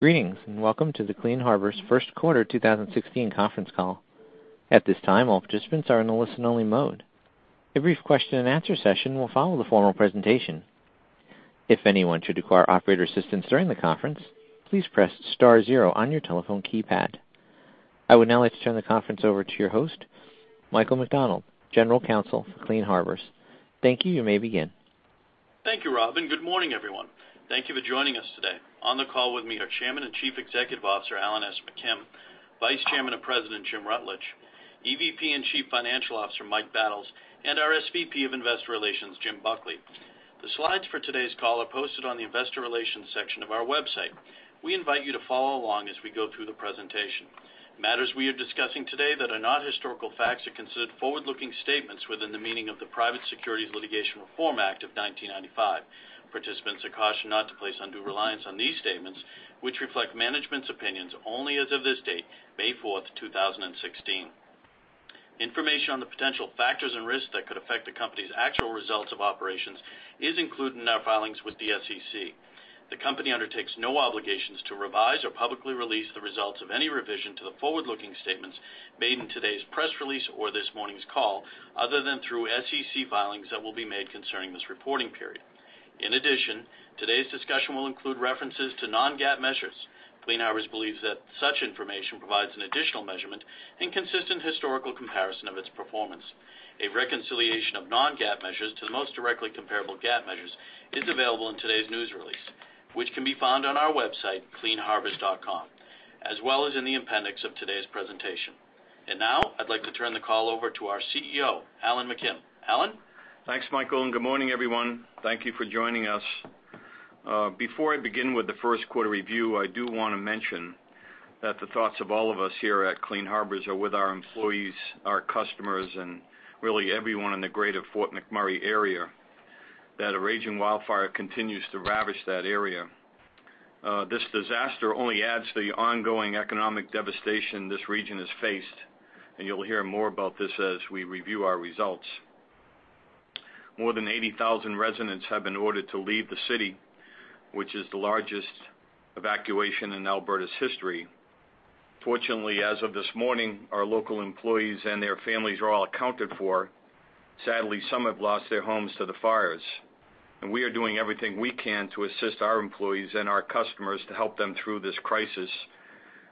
Greetings, and welcome to the Clean Harbors first quarter 2016 conference call. At this time, all participants are in a listen-only mode. A brief question-and-answer session will follow the formal presentation. If anyone should require operator assistance during the conference, please press star zero on your telephone keypad. I would now like to turn the conference over to your host, Michael McDonald, General Counsel for Clean Harbors. Thank you. You may begin. Thank you, Robin. Good morning, everyone. Thank you for joining us today. On the call with me are Chairman and Chief Executive Officer, Alan S. McKim, Vice Chairman and President, Jim Rutledge, EVP and Chief Financial Officer, Mike Battles, and our SVP of Investor Relations, Jim Buckley. The slides for today's call are posted on the investor relations section of our website. We invite you to follow along as we go through the presentation. Matters we are discussing today that are not historical facts are considered forward-looking statements within the meaning of the Private Securities Litigation Reform Act of 1995. Participants are cautioned not to place undue reliance on these statements, which reflect management's opinions only as of this date, May 4th, 2016. Information on the potential factors and risks that could affect the company's actual results of operations is included in our filings with the SEC. The company undertakes no obligations to revise or publicly release the results of any revision to the forward-looking statements made in today's press release or this morning's call, other than through SEC filings that will be made concerning this reporting period. In addition, today's discussion will include references to non-GAAP measures. Clean Harbors believes that such information provides an additional measurement and consistent historical comparison of its performance. A reconciliation of non-GAAP measures to the most directly comparable GAAP measures is available in today's news release, which can be found on our website, cleanharbors.com, as well as in the appendix of today's presentation. Now, I'd like to turn the call over to our CEO, Alan McKim. Alan? Thanks, Michael, and good morning, everyone. Thank you for joining us. Before I begin with the first quarter review, I do wanna mention that the thoughts of all of us here at Clean Harbors are with our employees, our customers, and really everyone in the greater Fort McMurray area, that a raging wildfire continues to ravage that area. This disaster only adds to the ongoing economic devastation this region has faced, and you'll hear more about this as we review our results. More than 80,000 residents have been ordered to leave the city, which is the largest evacuation in Alberta's history. Fortunately, as of this morning, our local employees and their families are all accounted for. Sadly, some have lost their homes to the fires, and we are doing everything we can to assist our employees and our customers to help them through this crisis,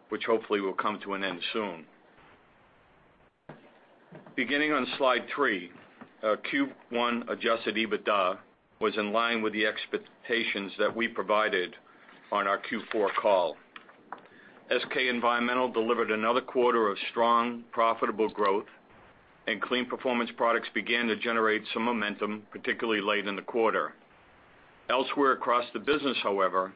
which hopefully will come to an end soon. Beginning on slide three, Q1 Adjusted EBITDA was in line with the expectations that we provided on our Q4 call. SK Environmental delivered another quarter of strong, profitable growth, and Clean Performance Products began to generate some momentum, particularly late in the quarter. Elsewhere across the business, however,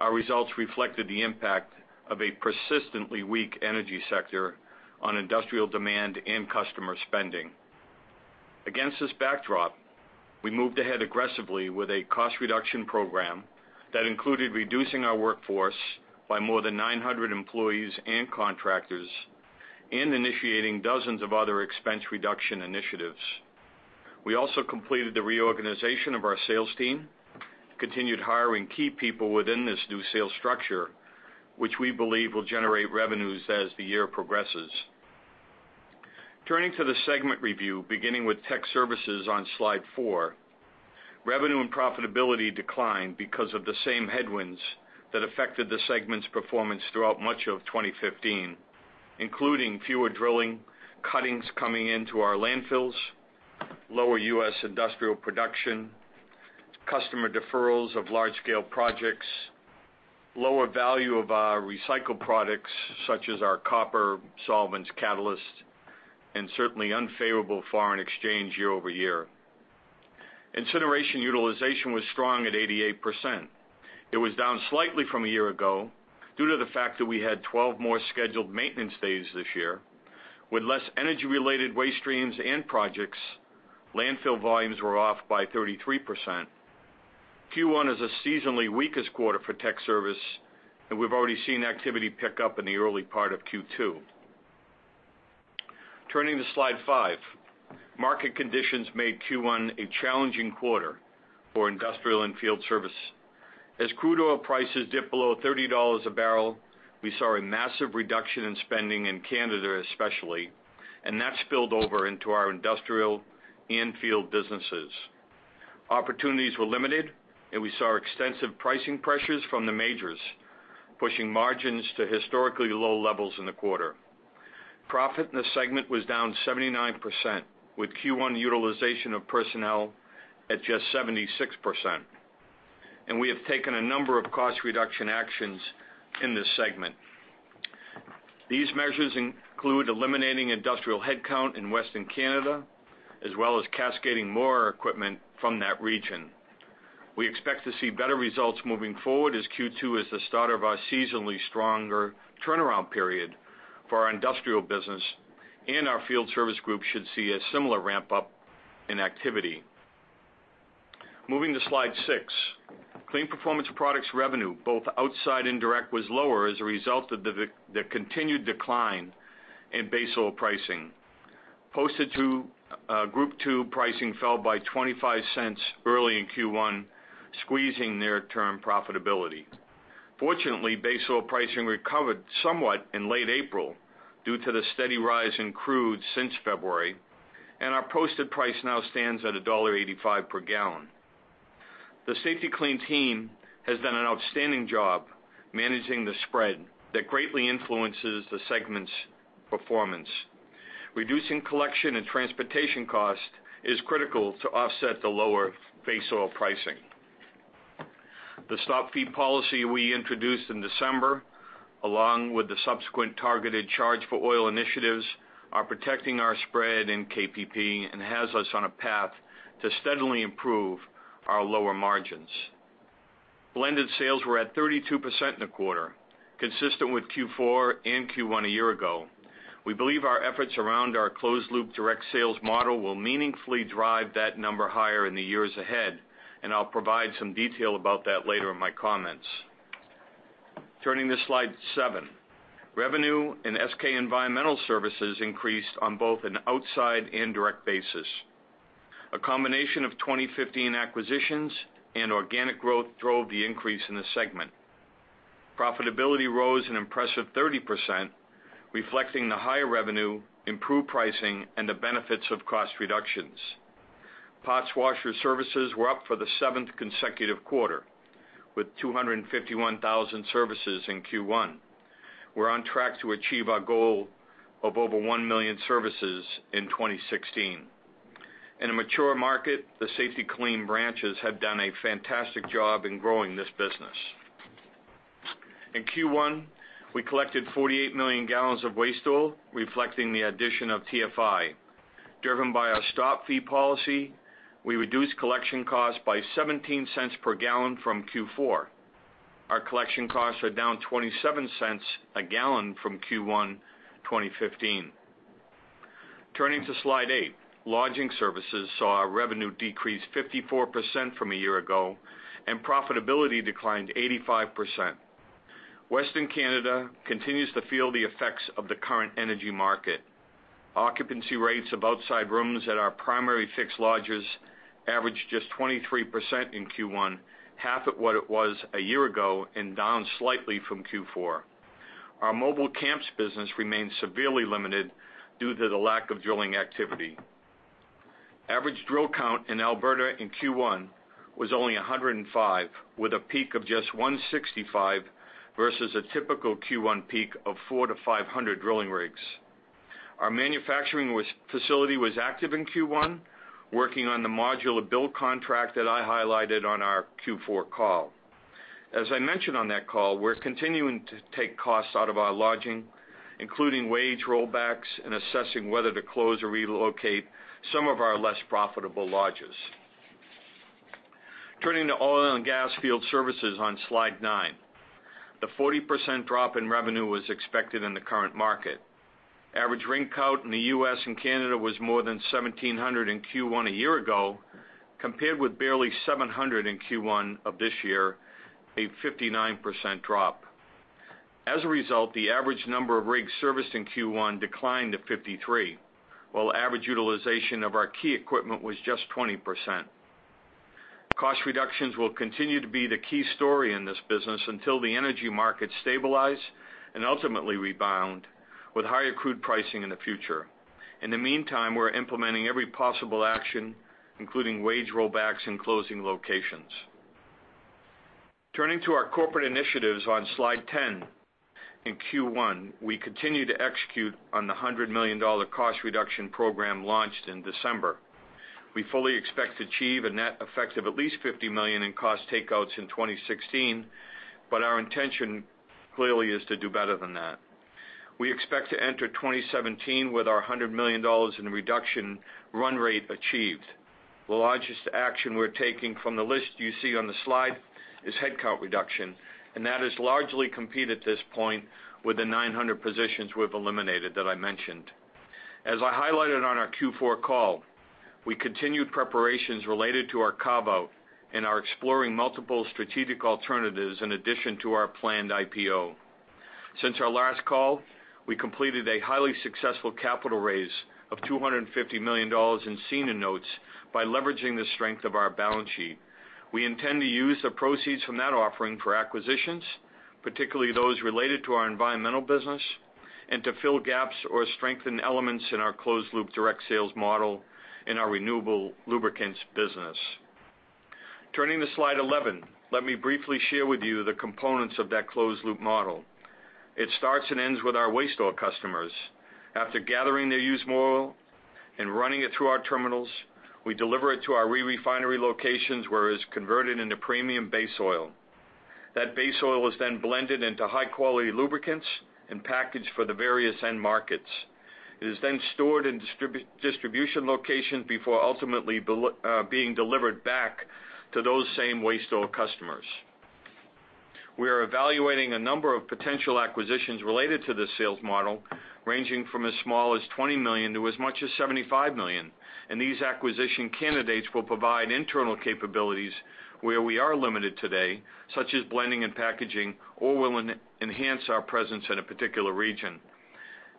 our results reflected the impact of a persistently weak energy sector on industrial demand and customer spending. Against this backdrop, we moved ahead aggressively with a cost reduction program that included reducing our workforce by more than 900 employees and contractors and initiating dozens of other expense reduction initiatives. We also completed the reorganization of our sales team, continued hiring key people within this new sales structure, which we believe will generate revenues as the year progresses. Turning to the segment review, beginning with tech services on slide 4, revenue and profitability declined because of the same headwinds that affected the segment's performance throughout much of 2015, including fewer drill cuttings coming into our landfills, lower U.S. industrial production, customer deferrals of large-scale projects, lower value of our recycled products, such as our copper, solvents, catalysts, and certainly unfavorable foreign exchange year-over-year. Incineration utilization was strong at 88%. It was down slightly from a year ago due to the fact that we had 12 more scheduled maintenance days this year. With less energy-related waste streams and projects, landfill volumes were off by 33%. Q1 is a seasonally weakest quarter for Tech Services, and we've already seen activity pick up in the early part of Q2. Turning to slide five, market conditions made Q1 a challenging quarter for Industrial and Field Services. As crude oil prices dipped below $30 a barrel, we saw a massive reduction in spending in Canada, especially, and that spilled over into our industrial and field businesses. Opportunities were limited, and we saw extensive pricing pressures from the majors, pushing margins to historically low levels in the quarter. Profit in the segment was down 79%, with Q1 utilization of personnel at just 76%, and we have taken a number of cost reduction actions in this segment. These measures include eliminating industrial headcount in Western Canada, as well as cascading more equipment from that region. We expect to see better results moving forward, as Q2 is the start of our seasonally stronger turnaround period for our industrial business, and our field service group should see a similar ramp-up in activity. Moving to slide 6. Clean Performance Products revenue, both outside and direct, was lower as a result of the continued decline in base oil pricing. Posted Group II pricing fell by $0.25 early in Q1, squeezing near-term profitability. Fortunately, base oil pricing recovered somewhat in late April due to the steady rise in crude since February, and our posted price now stands at $1.85 per gallon. The Safety-Kleen team has done an outstanding job managing the spread that greatly influences the segment's performance. Reducing collection and transportation cost is critical to offset the lower base oil pricing. The stop fee policy we introduced in December, along with the subsequent targeted charge for oil initiatives, are protecting our spread in CPP and has us on a path to steadily improve our lower margins. Blended sales were at 32% in the quarter, consistent with Q4 and Q1 a year ago. We believe our efforts around our closed loop direct sales model will meaningfully drive that number higher in the years ahead, and I'll provide some detail about that later in my comments. Turning to slide 7. Revenue in SK Environmental Services increased on both an outside and direct basis. A combination of 2015 acquisitions and organic growth drove the increase in the segment. Profitability rose an impressive 30%, reflecting the higher revenue, improved pricing, and the benefits of cost reductions. Parts washer services were up for the seventh consecutive quarter, with 251,000 services in Q1. We're on track to achieve our goal of over 1 million services in 2016. In a mature market, the Safety-Kleen branches have done a fantastic job in growing this business. In Q1, we collected 48 million gallons of waste oil, reflecting the addition of TFI. Driven by our stop fee policy, we reduced collection costs by 17 cents per gallon from Q4. Our collection costs are down 27 cents a gallon from Q1, 2015. Turning to slide eight. Lodging Services saw our revenue decrease 54% from a year ago, and profitability declined 85%. Western Canada continues to feel the effects of the current energy market. Occupancy rates of outside rooms at our primary fixed lodges averaged just 23% in Q1, half of what it was a year ago and down slightly from Q4. Our mobile camps business remains severely limited due to the lack of drilling activity. Average drill count in Alberta in Q1 was only 105, with a peak of just 165 versus a typical Q1 peak of 400-500 drilling rigs. Our manufacturing facility was active in Q1, working on the modular build contract that I highlighted on our Q4 call. As I mentioned on that call, we're continuing to take costs out of our Lodging, including wage rollbacks and assessing whether to close or relocate some of our less profitable lodges. Turning to Oil and Gas Field Services on slide 9. The 40% drop in revenue was expected in the current market. Average rig count in the U.S. and Canada was more than 1,700 in Q1 a year ago, compared with barely 700 in Q1 of this year, a 59% drop. As a result, the average number of rigs serviced in Q1 declined to 53, while average utilization of our key equipment was just 20%. Cost reductions will continue to be the key story in this business until the energy markets stabilize and ultimately rebound, with higher crude pricing in the future. In the meantime, we're implementing every possible action, including wage rollbacks and closing locations. Turning to our corporate initiatives on slide ten. In Q1, we continued to execute on the $100 million cost reduction program launched in December. We fully expect to achieve a net effect of at least $50 million in cost takeouts in 2016, but our intention clearly is to do better than that. We expect to enter 2017 with our $100 million in reduction run rate achieved. The largest action we're taking from the list you see on the slide is headcount reduction, and that is largely complete at this point with the 900 positions we've eliminated that I mentioned. As I highlighted on our Q4 call, we continued preparations related to our carve-out and are exploring multiple strategic alternatives in addition to our planned IPO. Since our last call, we completed a highly successful capital raise of $250 million in senior notes by leveraging the strength of our balance sheet. We intend to use the proceeds from that offering for acquisitions, particularly those related to our environmental business, and to fill gaps or strengthen elements in our closed-loop direct sales model in our renewable lubricants business. Turning to slide 11, let me briefly share with you the components of that closed loop model. It starts and ends with our waste oil customers. After gathering their used motor oil and running it through our terminals, we deliver it to our re-refinery locations, where it's converted into premium base oil. That base oil is then blended into high-quality lubricants and packaged for the various end markets. It is then stored in distribution locations before ultimately being delivered back to those same waste oil customers. We are evaluating a number of potential acquisitions related to this sales model, ranging from as small as $20 million to as much as $75 million, and these acquisition candidates will provide internal capabilities where we are limited today, such as blending and packaging, or will enhance our presence in a particular region.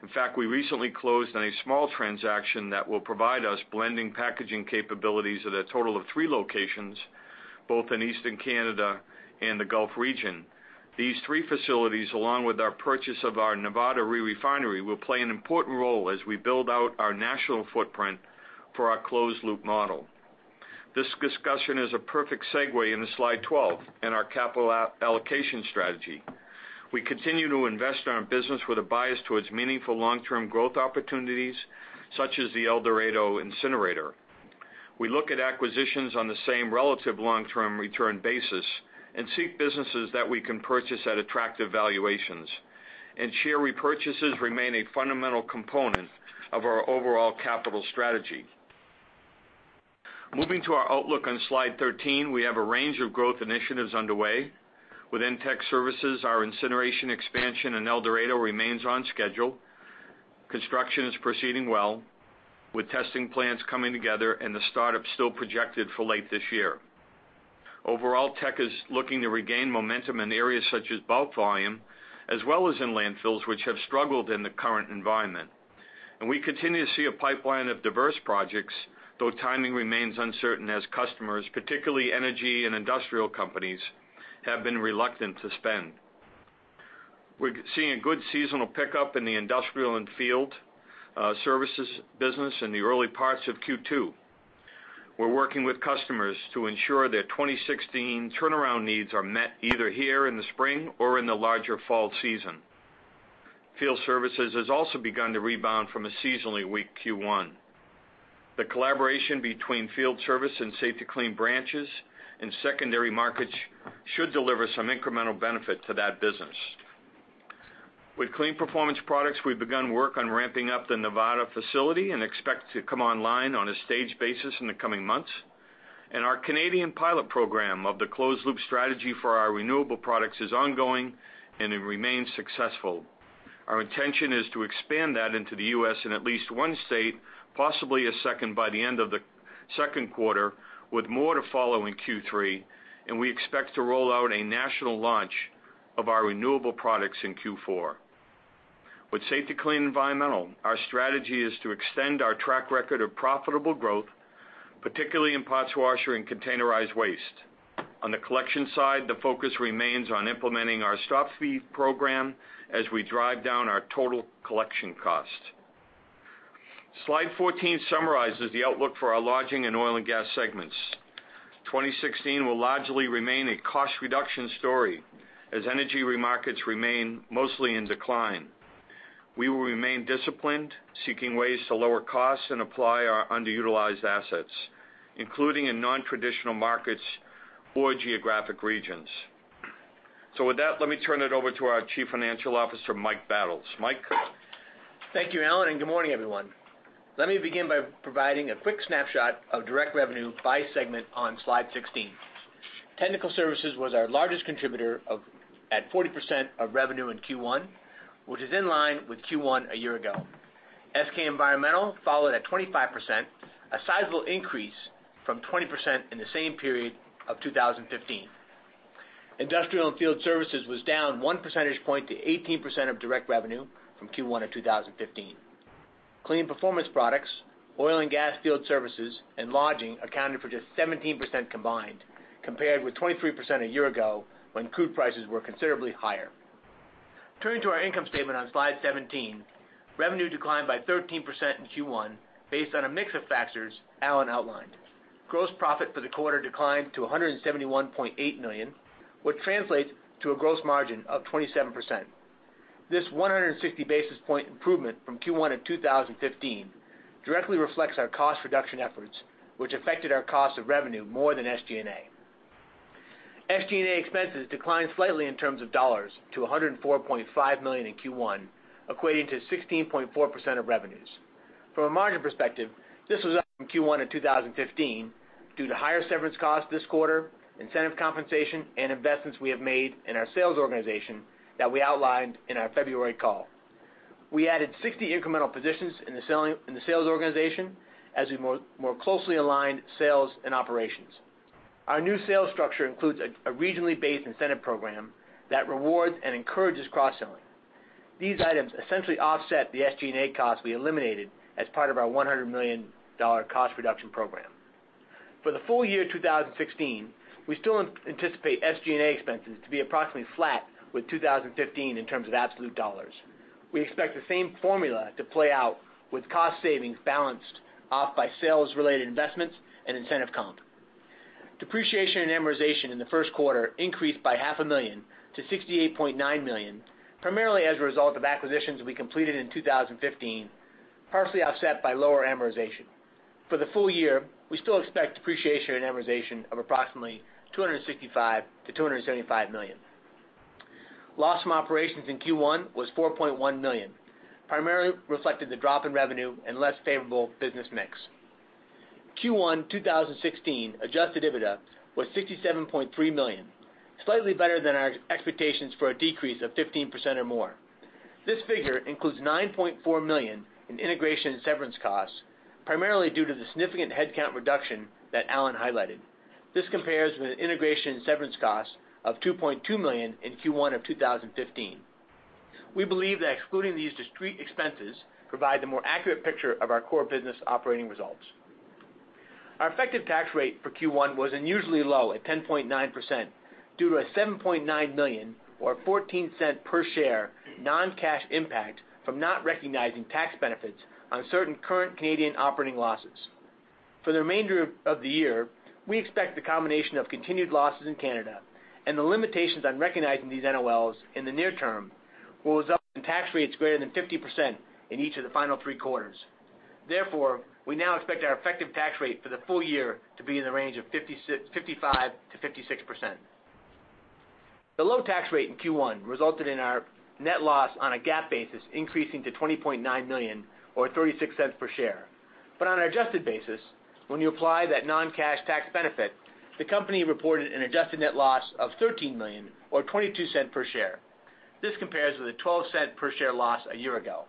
In fact, we recently closed on a small transaction that will provide us blending packaging capabilities at a total of three locations, both in Eastern Canada and the Gulf region. These three facilities, along with our purchase of our Nevada re-refinery, will play an important role as we build out our national footprint for our closed-loop model. This discussion is a perfect segue into slide 12 and our capital allocation strategy. We continue to invest in our business with a bias towards meaningful long-term growth opportunities, such as the El Dorado incinerator. We look at acquisitions on the same relative long-term return basis and seek businesses that we can purchase at attractive valuations, and share repurchases remain a fundamental component of our overall capital strategy. Moving to our outlook on slide 13, we have a range of growth initiatives underway. Within Tech Services, our incineration expansion in El Dorado remains on schedule. Construction is proceeding well, with testing plans coming together and the startup still projected for late this year. Overall, Tech is looking to regain momentum in areas such as bulk volume, as well as in landfills, which have struggled in the current environment. And we continue to see a pipeline of diverse projects, though timing remains uncertain as customers, particularly energy and industrial companies, have been reluctant to spend. We're seeing a good seasonal pickup in the Industrial and Field Services business in the early parts of Q2. We're working with customers to ensure their 2016 turnaround needs are met, either here in the spring or in the larger fall season. Field Services has also begun to rebound from a seasonally weak Q1. The collaboration between Field Services and Safety-Kleen branches and secondary markets should deliver some incremental benefit to that business. With Clean Performance Products, we've begun work on ramping up the Nevada facility and expect to come online on a staged basis in the coming months. Our Canadian pilot program of the closed-loop strategy for our renewable products is ongoing, and it remains successful. Our intention is to expand that into the U.S. in at least one state, possibly a second, by the end of the second quarter, with more to follow in Q3, and we expect to roll out a national launch of our renewable products in Q4. With Safety-Kleen Environmental, our strategy is to extend our track record of profitable growth, particularly in parts washer and containerized waste. On the collection side, the focus remains on implementing our stop fee program as we drive down our total collection cost. Slide 14 summarizes the outlook for our Lodging and Oil and Gas segments. 2016 will largely remain a cost reduction story as energy markets remain mostly in decline. We will remain disciplined, seeking ways to lower costs and apply our underutilized assets, including in nontraditional markets or geographic regions. So with that, let me turn it over to our Chief Financial Officer, Mike Battles. Mike? Thank you, Alan, and good morning, everyone. Let me begin by providing a quick snapshot of direct revenue by segment on slide 16. Technical Services was our largest contributor of at 40% of revenue in Q1, which is in line with Q1 a year ago. SK Environmental followed at 25%, a sizable increase from 20% in the same period of 2015. Industrial and Field Services was down 1 percentage point to 18% of direct revenue from Q1 of 2015. Clean Performance Products, Oil and Gas Field Services, and Lodging accounted for just 17% combined, compared with 23% a year ago, when crude prices were considerably higher. Turning to our income statement on slide 17, revenue declined by 13% in Q1, based on a mix of factors Alan outlined. Gross profit for the quarter declined to $171.8 million, which translates to a gross margin of 27%. This 160 basis point improvement from Q1 of 2015 directly reflects our cost reduction efforts, which affected our cost of revenue more than SG&A. SG&A expenses declined slightly in terms of dollars to $104.5 million in Q1, equating to 16.4% of revenues. From a margin perspective, this was up from Q1 in 2015 due to higher severance costs this quarter, incentive compensation, and investments we have made in our sales organization that we outlined in our February call. We added 60 incremental positions in the sales organization as we more closely aligned sales and operations. Our new sales structure includes a regionally based incentive program that rewards and encourages cross-selling. These items essentially offset the SG&A costs we eliminated as part of our $100 million cost reduction program. For the full year 2016, we still anticipate SG&A expenses to be approximately flat with 2015 in terms of absolute dollars. We expect the same formula to play out, with cost savings balanced off by sales-related investments and incentive comp. Depreciation and amortization in the first quarter increased by $500,000 to $68.9 million, primarily as a result of acquisitions we completed in 2015, partially offset by lower amortization. For the full year, we still expect depreciation and amortization of approximately $265 million-$275 million. Loss from operations in Q1 was $4.1 million, primarily reflecting the drop in revenue and less favorable business mix. Q1 2016 Adjusted EBITDA was $67.3 million, slightly better than our expectations for a decrease of 15% or more. This figure includes $9.4 million in integration and severance costs, primarily due to the significant headcount reduction that Alan highlighted. This compares with integration and severance costs of $2.2 million in Q1 of 2015. We believe that excluding these discrete expenses provide a more accurate picture of our core business operating results. Our effective tax rate for Q1 was unusually low at 10.9% due to a $7.9 million or 14 cents per share non-cash impact from not recognizing tax benefits on certain current Canadian operating losses. For the remainder of the year, we expect the combination of continued losses in Canada and the limitations on recognizing these NOLs in the near term will result in tax rates greater than 50% in each of the final three quarters. Therefore, we now expect our effective tax rate for the full year to be in the range of 55%-56%. The low tax rate in Q1 resulted in our net loss on a GAAP basis, increasing to $20.9 million or $0.36 per share. But on an adjusted basis, when you apply that non-cash tax benefit, the company reported an adjusted net loss of $13 million or $0.22 per share. This compares with a $0.12 per share loss a year ago.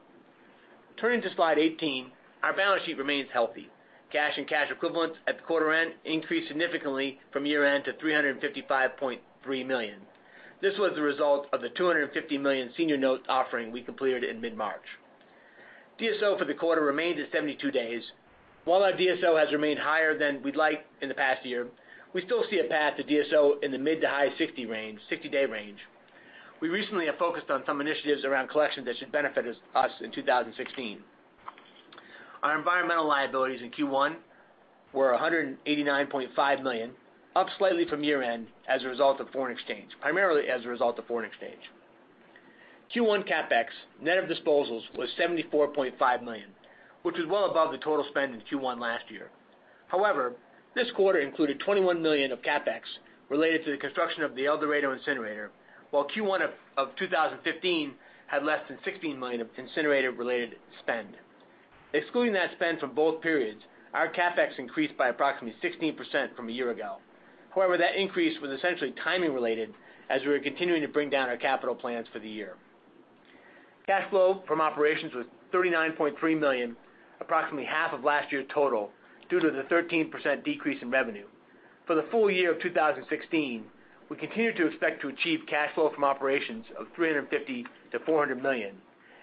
Turning to slide 18, our balance sheet remains healthy. Cash and cash equivalents at the quarter end increased significantly from year-end to $355.3 million. This was the result of the $250 million senior notes offering we completed in mid-March. DSO for the quarter remains at 72 days. While our DSO has remained higher than we'd like in the past year, we still see a path to DSO in the mid- to high-50 range 60-day range. We recently have focused on some initiatives around collection that should benefit us in 2016. Our environmental liabilities in Q1 were $189.5 million, up slightly from year-end as a result of foreign exchange, primarily as a result of foreign exchange. Q1 CapEx, net of disposals, was $74.5 million, which is well above the total spend in Q1 last year. However, this quarter included $21 million of CapEx related to the construction of the El Dorado incinerator, while Q1 of 2015 had less than $16 million of incinerator-related spend. Excluding that spend from both periods, our CapEx increased by approximately 16% from a year ago. However, that increase was essentially timing related as we are continuing to bring down our capital plans for the year. Cash flow from operations was $39.3 million, approximately half of last year's total, due to the 13% decrease in revenue. For the full year of 2016, we continue to expect to achieve cash flow from operations of $350 million-$400 million,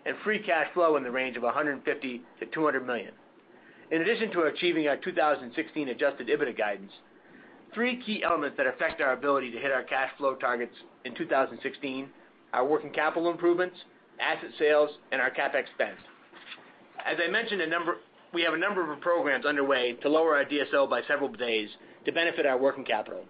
and free cash flow in the range of $150 million-$200 million. In addition to achieving our 2016 Adjusted EBITDA guidance, three key elements that affect our ability to hit our cash flow targets in 2016 are working capital improvements, asset sales, and our CapEx spend. As I mentioned, we have a number of programs underway to lower our DSO by several days to benefit our working capital.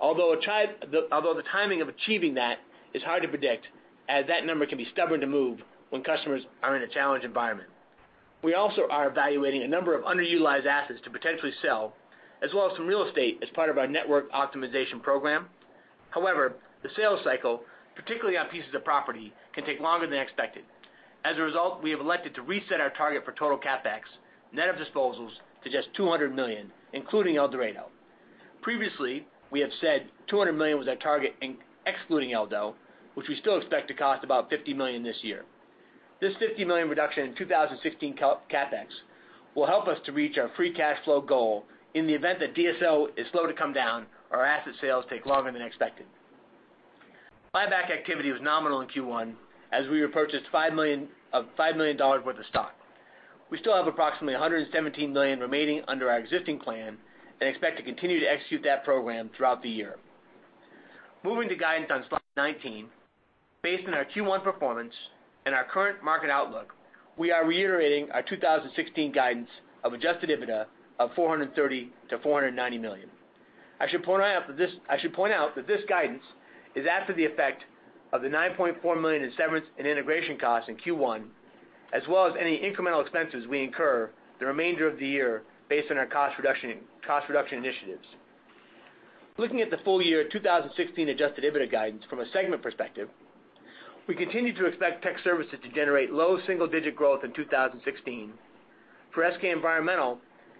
Although the timing of achieving that is hard to predict, as that number can be stubborn to move when customers are in a challenged environment. We also are evaluating a number of underutilized assets to potentially sell, as well as some real estate as part of our network optimization program. However, the sales cycle, particularly on pieces of property, can take longer than expected. As a result, we have elected to reset our target for total CapEx, net of disposals, to just $200 million, including El Dorado. Previously, we have said $200 million was our target excluding Eldo, which we still expect to cost about $50 million this year. This $50 million reduction in 2016 CapEx will help us to reach our free cash flow goal in the event that DSO is slow to come down or our asset sales take longer than expected. Buyback activity was nominal in Q1, as we repurchased $5 million worth of stock. We still have approximately $117 million remaining under our existing plan and expect to continue to execute that program throughout the year. Moving to guidance on slide 19. Based on our Q1 performance and our current market outlook, we are reiterating our 2016 guidance of adjusted EBITDA of $430 million-$490 million. I should point out that this guidance is after the effect of the $9.4 million in severance and integration costs in Q1, as well as any incremental expenses we incur the remainder of the year based on our cost reduction initiatives. Looking at the full year 2016 adjusted EBITDA guidance from a segment perspective, we continue to expect Tech Services to generate low single-digit growth in 2016. For SK Environmental,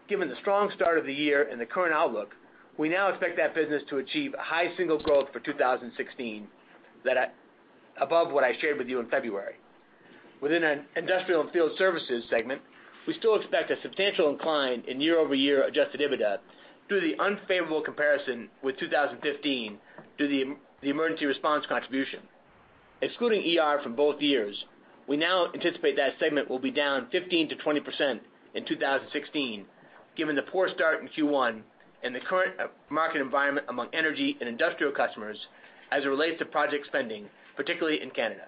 given the strong start of the year and the current outlook, we now expect that business to achieve high single-digit growth for 2016 that's above what I shared with you in February. Within an Industrial and Field Services segment, we still expect a substantial decline in year-over-year adjusted EBITDA due to the unfavorable comparison with 2015 due to the Emergency Response contribution. Excluding ER from both years, we now anticipate that segment will be down 15%-20% in 2016, given the poor start in Q1 and the current market environment among energy and industrial customers as it relates to project spending, particularly in Canada.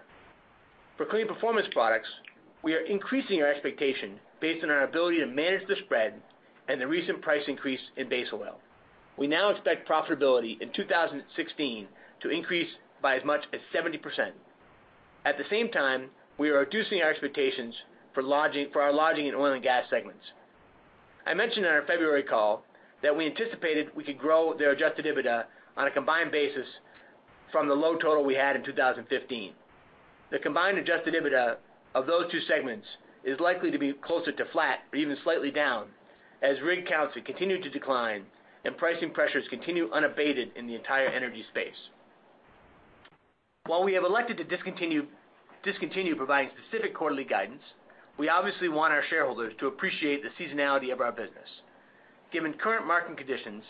For Clean Performance Products, we are increasing our expectation based on our ability to manage the spread and the recent price increase in base oil. We now expect profitability in 2016 to increase by as much as 70%. At the same time, we are reducing our expectations for Lodging, for our Lodging and Oil and Gas segments. I mentioned in our February call that we anticipated we could grow their adjusted EBITDA on a combined basis from the low total we had in 2015. The combined adjusted EBITDA of those two segments is likely to be closer to flat or even slightly down, as rig counts have continued to decline and pricing pressures continue unabated in the entire energy space. While we have elected to discontinue providing specific quarterly guidance, we obviously want our shareholders to appreciate the seasonality of our business. Given current market conditions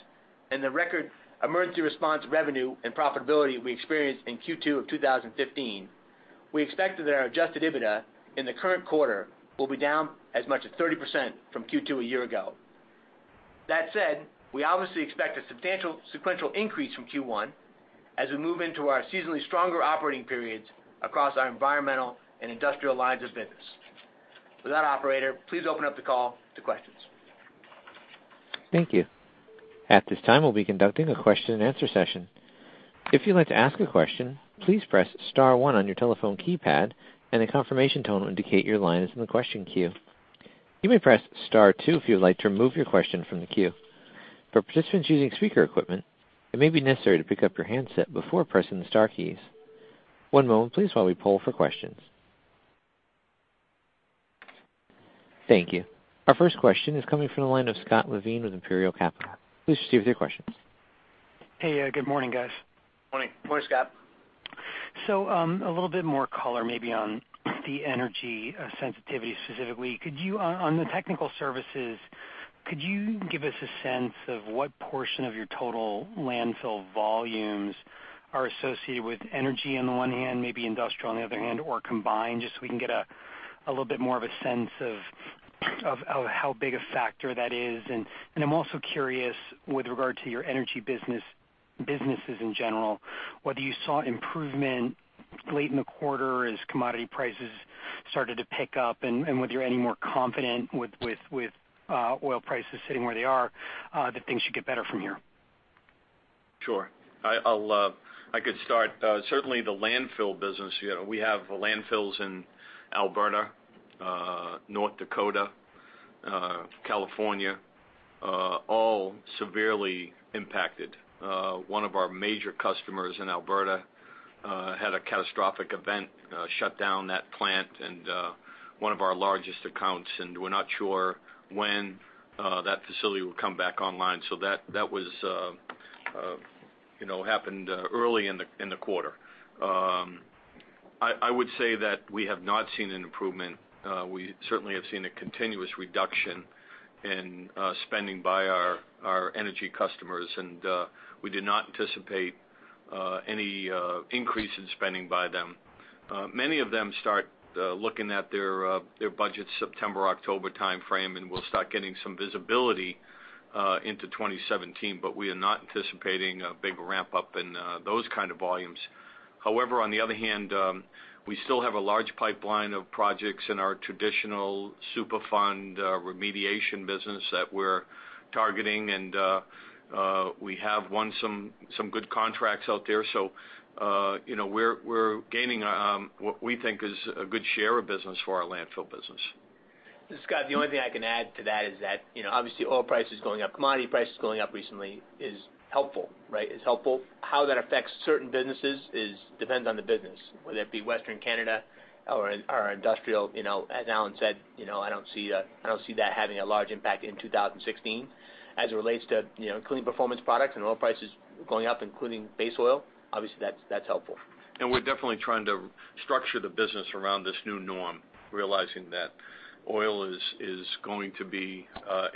and the record emergency response revenue and profitability we experienced in Q2 of 2015, we expect that our Adjusted EBITDA in the current quarter will be down as much as 30% from Q2 a year ago. That said, we obviously expect a substantial sequential increase from Q1 as we move into our seasonally stronger operating periods across our environmental and industrial lines of business. With that, operator, please open up the call to questions. Thank you. At this time, we'll be conducting a question-and-answer session. If you'd like to ask a question, please press star one on your telephone keypad, and a confirmation tone will indicate your line is in the question queue. You may press star two if you'd like to remove your question from the queue. For participants using speaker equipment, it may be necessary to pick up your handset before pressing the star keys. One moment, please, while we poll for questions. Thank you. Our first question is coming from the line of Scott Levine with Imperial Capital. Please proceed with your questions. Hey, good morning, guys. Morning. Morning, Scott. So, a little bit more color maybe on the energy, sensitivity specifically. Could you, on the Technical Services, could you give us a sense of what portion of your total landfill volumes are associated with energy on the one hand, maybe industrial on the other hand, or combined, just so we can get a little bit more of a sense of how big a factor that is? And I'm also curious, with regard to your energy business, businesses in general, whether you saw improvement late in the quarter as commodity prices started to pick up, and whether you're any more confident with oil prices sitting where they are, that things should get better from here? Sure. I'll start. Certainly the landfill business, you know, we have landfills in Alberta, North Dakota, California, all severely impacted. One of our major customers in Alberta had a catastrophic event, shut down that plant and one of our largest accounts, and we're not sure when that facility will come back online. So that happened, you know, early in the quarter. I would say that we have not seen an improvement. We certainly have seen a continuous reduction in spending by our energy customers, and we do not anticipate any increase in spending by them. Many of them start looking at their their budgets September, October timeframe, and we'll start getting some visibility into 2017, but we are not anticipating a big ramp-up in those kind of volumes. However, on the other hand, we still have a large pipeline of projects in our traditional Superfund remediation business that we're targeting, and we have won some good contracts out there. So, you know, we're gaining what we think is a good share of business for our landfill business. Scott, the only thing I can add to that is that, you know, obviously, oil prices going up, commodity prices going up recently is helpful, right? It's helpful. How that affects certain businesses is, depends on the business, whether it be Western Canada or industrial, you know, as Alan said, you know, I don't see that, I don't see that having a large impact in 2016. As it relates to, you know, Clean Performance Products and oil prices going up, including base oil, obviously, that's, that's helpful. We're definitely trying to structure the business around this new norm, realizing that oil is going to be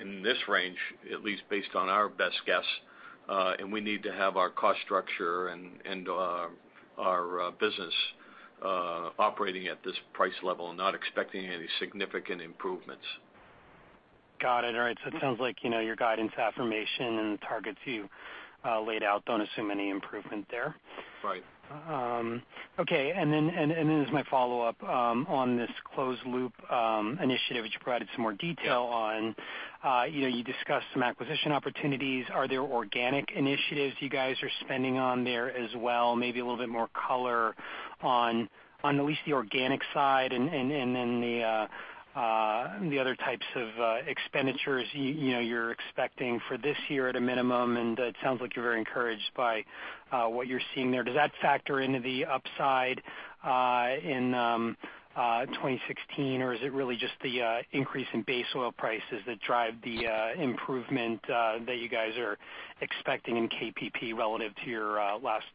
in this range, at least based on our best guess, and we need to have our cost structure and our business operating at this price level and not expecting any significant improvements. Got it. All right, so it sounds like, you know, your guidance affirmation and the targets you laid out don't assume any improvement there. Right. Okay, and then this is my follow-up on this closed loop initiative, which you provided some more detail on. You know, you discussed some acquisition opportunities. Are there organic initiatives you guys are spending on there as well? Maybe a little bit more color on at least the organic side and then the other types of expenditures you know you're expecting for this year at a minimum, and it sounds like you're very encouraged by what you're seeing there. Does that factor into the upside in 2016, or is it really just the increase in base oil prices that drive the improvement that you guys are expecting in CPP relative to your last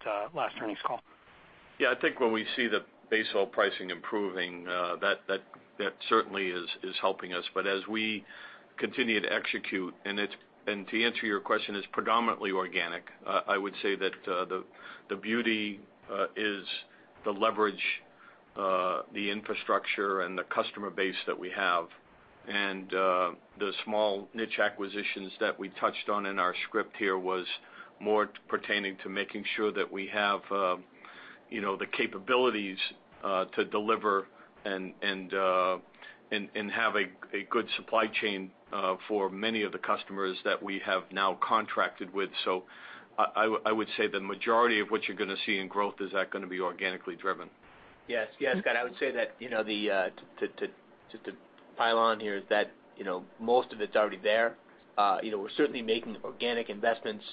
earnings call? Yeah, I think when we see the base oil pricing improving, that certainly is helping us. But as we continue to execute, and to answer your question, it's predominantly organic. I would say that the beauty is the leverage, the infrastructure and the customer base that we have. And the small niche acquisitions that we touched on in our script here was more pertaining to making sure that we have, you know, the capabilities to deliver and have a good supply chain for many of the customers that we have now contracted with. So I would say the majority of what you're gonna see in growth is that gonna be organically driven. Yes, yes, Scott, I would say that, you know, the, just to pile on here is that, you know, most of it's already there. You know, we're certainly making organic investments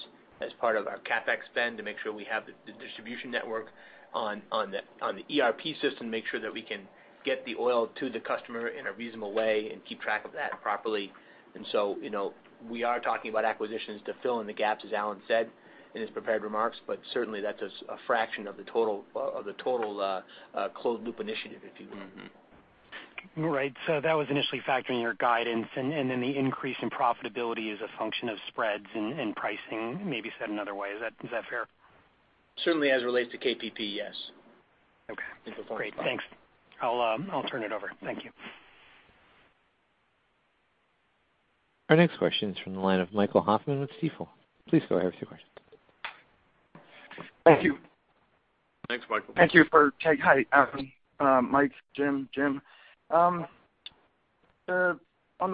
as part of our CapEx spend to make sure we have the distribution network on the ERP system, make sure that we can get the oil to the customer in a reasonable way and keep track of that properly. And so, you know, we are talking about acquisitions to fill in the gaps, as Alan said in his prepared remarks, but certainly that's a fraction of the total closed loop initiative, if you will. Mm-hmm. Right. So that was initially factored in your guidance, and then the increase in profitability is a function of spreads and pricing, maybe said another way. Is that fair? Certainly, as it relates to CPP, yes. Okay. And before- Great, thanks. I'll, I'll turn it over. Thank you. Our next question is from the line of Michael Hoffman with Stifel. Please go ahead with your question. Thank you. Thanks, Michael. Thank you for taking-- hi, Mike, Jim, Jim. On the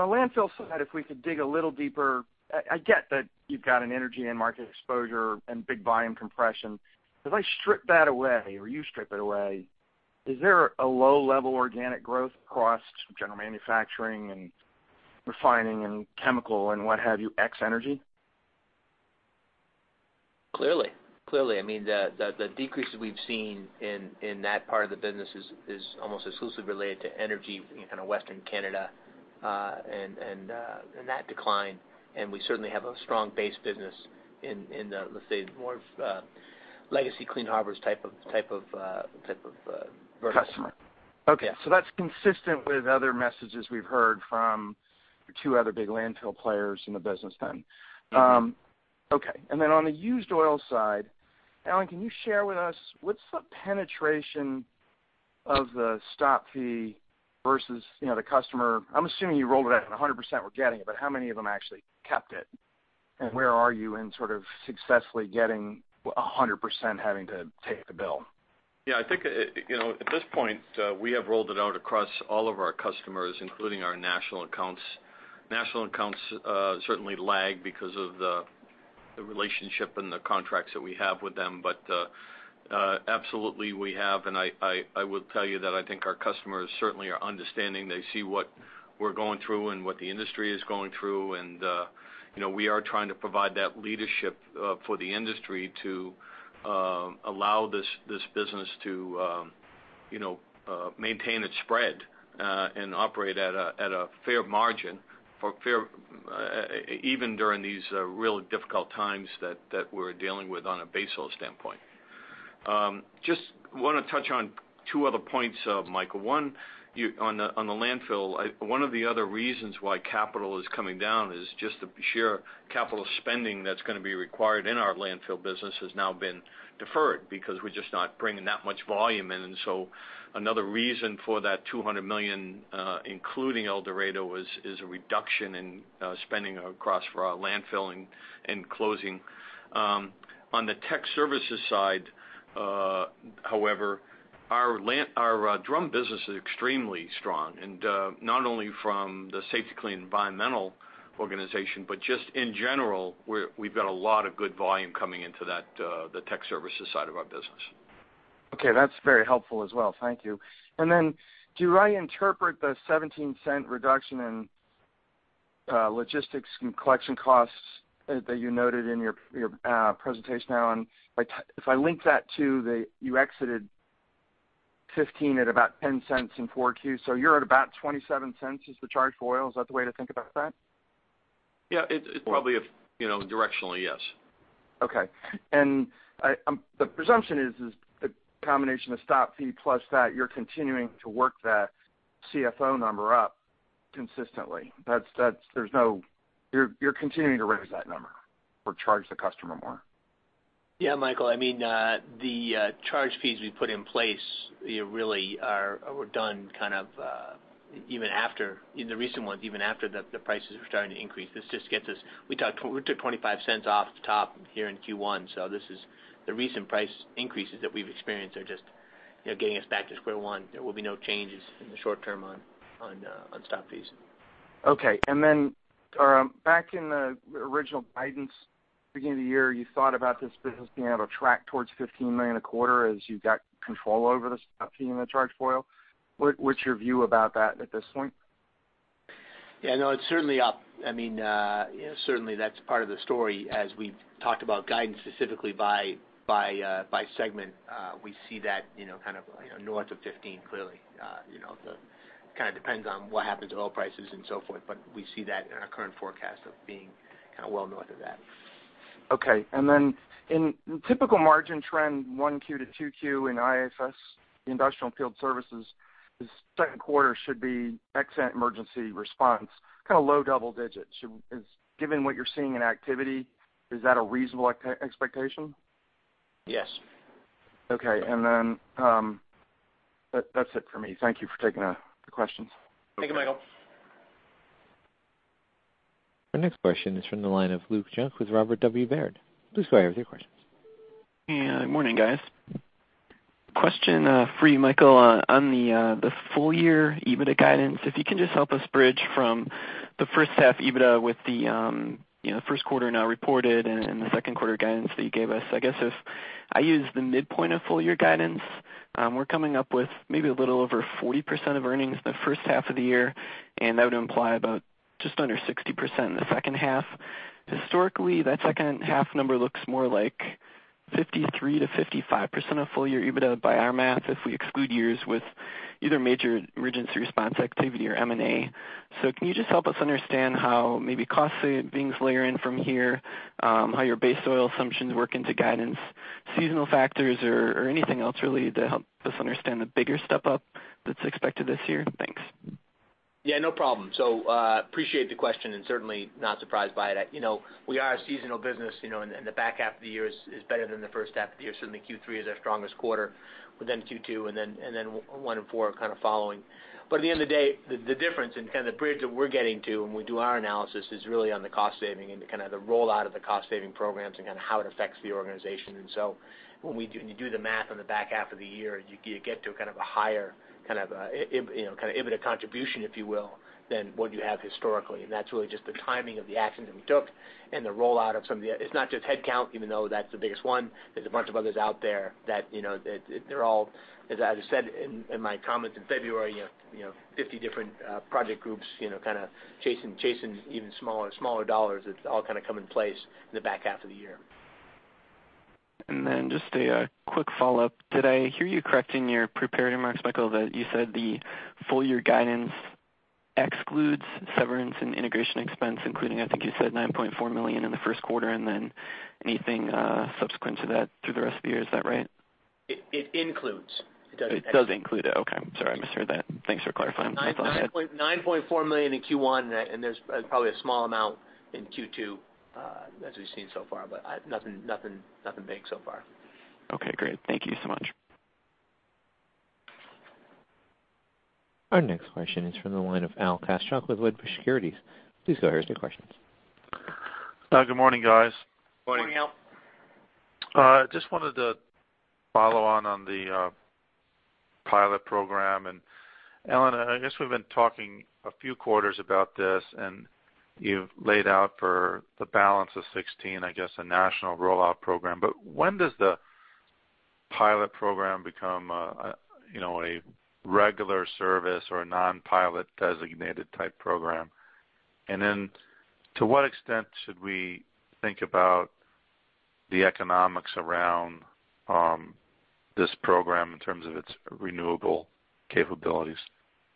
landfill side, if we could dig a little deeper. I get that you've got an energy and market exposure and big volume compression. As I strip that away, or you strip it away, is there a low-level organic growth across general manufacturing and refining and chemical and what have you, ex energy? Clearly, I mean, the decrease that we've seen in that part of the business is almost exclusively related to energy in kind of Western Canada, and that decline, and we certainly have a strong base business in the, let's say, more of legacy Clean Harbors type of vertical. Customer. Okay. Yeah. So that's consistent with other messages we've heard from the two other big landfill players in the business then. Mm-hmm. Okay. And then on the used oil side, Alan, can you share with us what's the penetration of the stop fee versus, you know, the customer... I'm assuming you rolled it out, and 100% were getting it, but how many of them actually kept it? Yeah. Where are you in sort of successfully getting 100% having to take the bill? Yeah, I think, you know, at this point, we have rolled it out across all of our customers, including our national accounts. National accounts certainly lag because of the relationship and the contracts that we have with them. But absolutely, we have, and I will tell you that I think our customers certainly are understanding. They see what we're going through and what the industry is going through. And you know, we are trying to provide that leadership for the industry to allow this business to you know, maintain its spread, and operate at a fair margin for fair, even during these really difficult times that we're dealing with on a base oil standpoint. Just wanna touch on two other points, Michael. One of the other reasons why capital is coming down is just the sheer capital spending that's gonna be required in our landfill business has now been deferred, because we're just not bringing that much volume in. And so another reason for that $200 million, including El Dorado, is a reduction in spending across for our landfilling and closing. On the tech services side, however, our drum business is extremely strong, and not only from the Safety-Kleen Environmental organization, but just in general, we've got a lot of good volume coming into that, the tech services side of our business. Okay, that's very helpful as well. Thank you. And then, do I interpret the $0.17 reduction in logistics and collection costs that you noted in your presentation, Alan, if I link that to the... You exited 2015 at about $0.10 in 4Q, so you're at about $0.27 is the charge for oil. Is that the way to think about that? Yeah, it's probably a, you know, directionally, yes. Okay. And I, the presumption is the combination of stop fee plus that you're continuing to work that CFO number up consistently. That's. You're continuing to raise that number or charge the customer more? Yeah, Michael, I mean, the charge fees we put in place really are, were done kind of even after, in the recent ones, even after the prices were starting to increase. This just gets us. We took $0.25 off the top here in Q1, so this is the recent price increases that we've experienced are just, you know, getting us back to square one. There will be no changes in the short term on stop fees. Okay. And then, back in the original guidance, beginning of the year, you thought about this business being able to track towards $15 million a quarter as you got control over the stop fee and the charge for oil. What, what's your view about that at this point? Yeah, no, it's certainly up. I mean, certainly that's part of the story. As we've talked about guidance specifically by segment, we see that, you know, kind of, you know, north of 15, clearly. You know, kind of depends on what happens to oil prices and so forth, but we see that in our current forecast of being kind of well north of that. Okay. And then in typical margin trend, 1Q to 2Q in IFS, the Industrial and Field Services, the second quarter should be, except emergency response, kind of low double digits. Should—is, given what you're seeing in activity, is that a reasonable expectation? Yes. Okay. And then, that, that's it for me. Thank you for taking the questions. Thank you, Michael. Our next question is from the line of Luke Junk with Robert W. Baird. Please go ahead with your questions. Yeah, good morning, guys. Question for you, Michael, on the full year EBITDA guidance. If you can just help us bridge from the first half EBITDA with the, you know, first quarter now reported and the second quarter guidance that you gave us. I use the midpoint of full year guidance. We're coming up with maybe a little over 40% of earnings in the first half of the year, and that would imply about just under 60% in the second half. Historically, that second half number looks more like 53%-55% of full year EBITDA by our math, if we exclude years with either major emergency response activity or M&A. Can you just help us understand how maybe cost savings layer in from here, how your base oil assumptions work into guidance, seasonal factors, or anything else really to help us understand the bigger step up that's expected this year? Thanks. Yeah, no problem. So, appreciate the question and certainly not surprised by it. You know, we are a seasonal business, you know, and the and the back half of the year is better than the first half of the year. Certainly, Q3 is our strongest quarter, within Q2, and then and then one and four are kind of following. But at the end of the day, the difference and kind of the bridge that we're getting to when we do our analysis is really on the cost saving and the kind of the rollout of the cost saving programs and kind of how it affects the organization. When you do the math on the back half of the year, you get to kind of a higher, kind of a, you know, kind of EBITDA contribution, if you will, than what you have historically. That's really just the timing of the actions that we took and the rollout of some of the. It's not just headcount, even though that's the biggest one. There's a bunch of others out there that, you know, that, they're all, as I just said in my comments in February, you know, 50 different project groups, you know, kind of chasing even smaller dollars that all kind of come in place in the back half of the year. Then just a quick follow-up. Did I hear you correct in your prepared remarks, Michael, that you said the full year guidance excludes severance and integration expense, including, I think you said, $9.4 million in the first quarter, and then anything subsequent to that through the rest of the year. Is that right? It includes. It doesn't exclude. It does include it. Okay. Sorry, I misheard that. Thanks for clarifying. That's all I had. $9.94 million in Q1, and there's probably a small amount in Q2, as we've seen so far, but, nothing, nothing, nothing big so far. Okay, great. Thank you so much. Our next question is from the line of Al Kaschalk with Wedbush Securities. Please go ahead with your questions. Good morning, guys. Morning, Al. Good morning. Just wanted to follow on, on the pilot program. And Alan, I guess we've been talking a few quarters about this, and you've laid out for the balance of 2016, I guess, a national rollout program. But when does the pilot program become a, you know, a regular service or a non-pilot designated type program? And then, to what extent should we think about the economics around this program in terms of its renewable capabilities?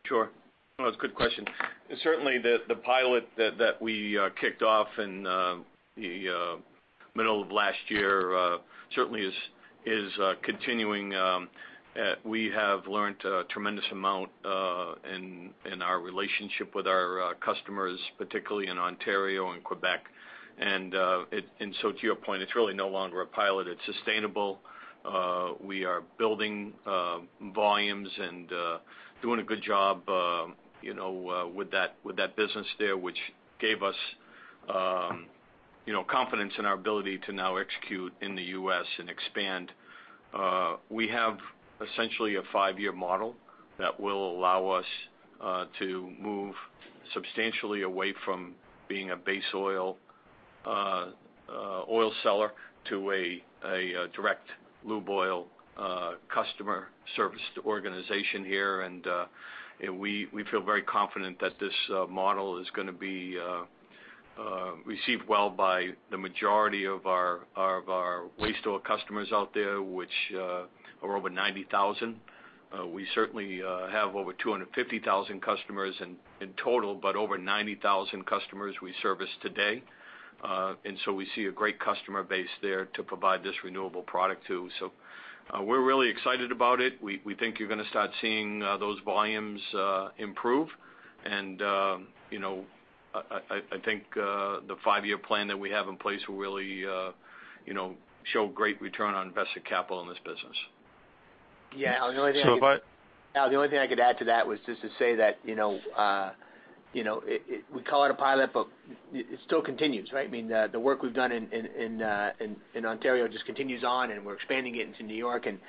Sure. No, it's a good question. Certainly, the pilot that we kicked off in the middle of last year certainly is continuing. We have learned a tremendous amount in our relationship with our customers, particularly in Ontario and Quebec. And so to your point, it's really no longer a pilot. It's sustainable. We are building volumes and doing a good job, you know, with that business there, which gave us, you know, confidence in our ability to now execute in the U.S. and expand. We have essentially a five-year model that will allow us to move substantially away from being a base oil seller to a direct lube oil customer service organization here. We feel very confident that this model is gonna be received well by the majority of our waste oil customers out there, which are over 90,000. We certainly have over 250,000 customers in total, but over 90,000 customers we service today. And so we see a great customer base there to provide this renewable product to. So, we're really excited about it. We think you're gonna start seeing those volumes improve. And, you know, I think the five-year plan that we have in place will really, you know, show great return on invested capital in this business. Yeah, Al, the only thing- So if I- Al, the only thing I could add to that was just to say that, you know, you know, it we call it a pilot, but it still continues, right? I mean, the work we've done in Ontario just continues on, and we're expanding it into New York. And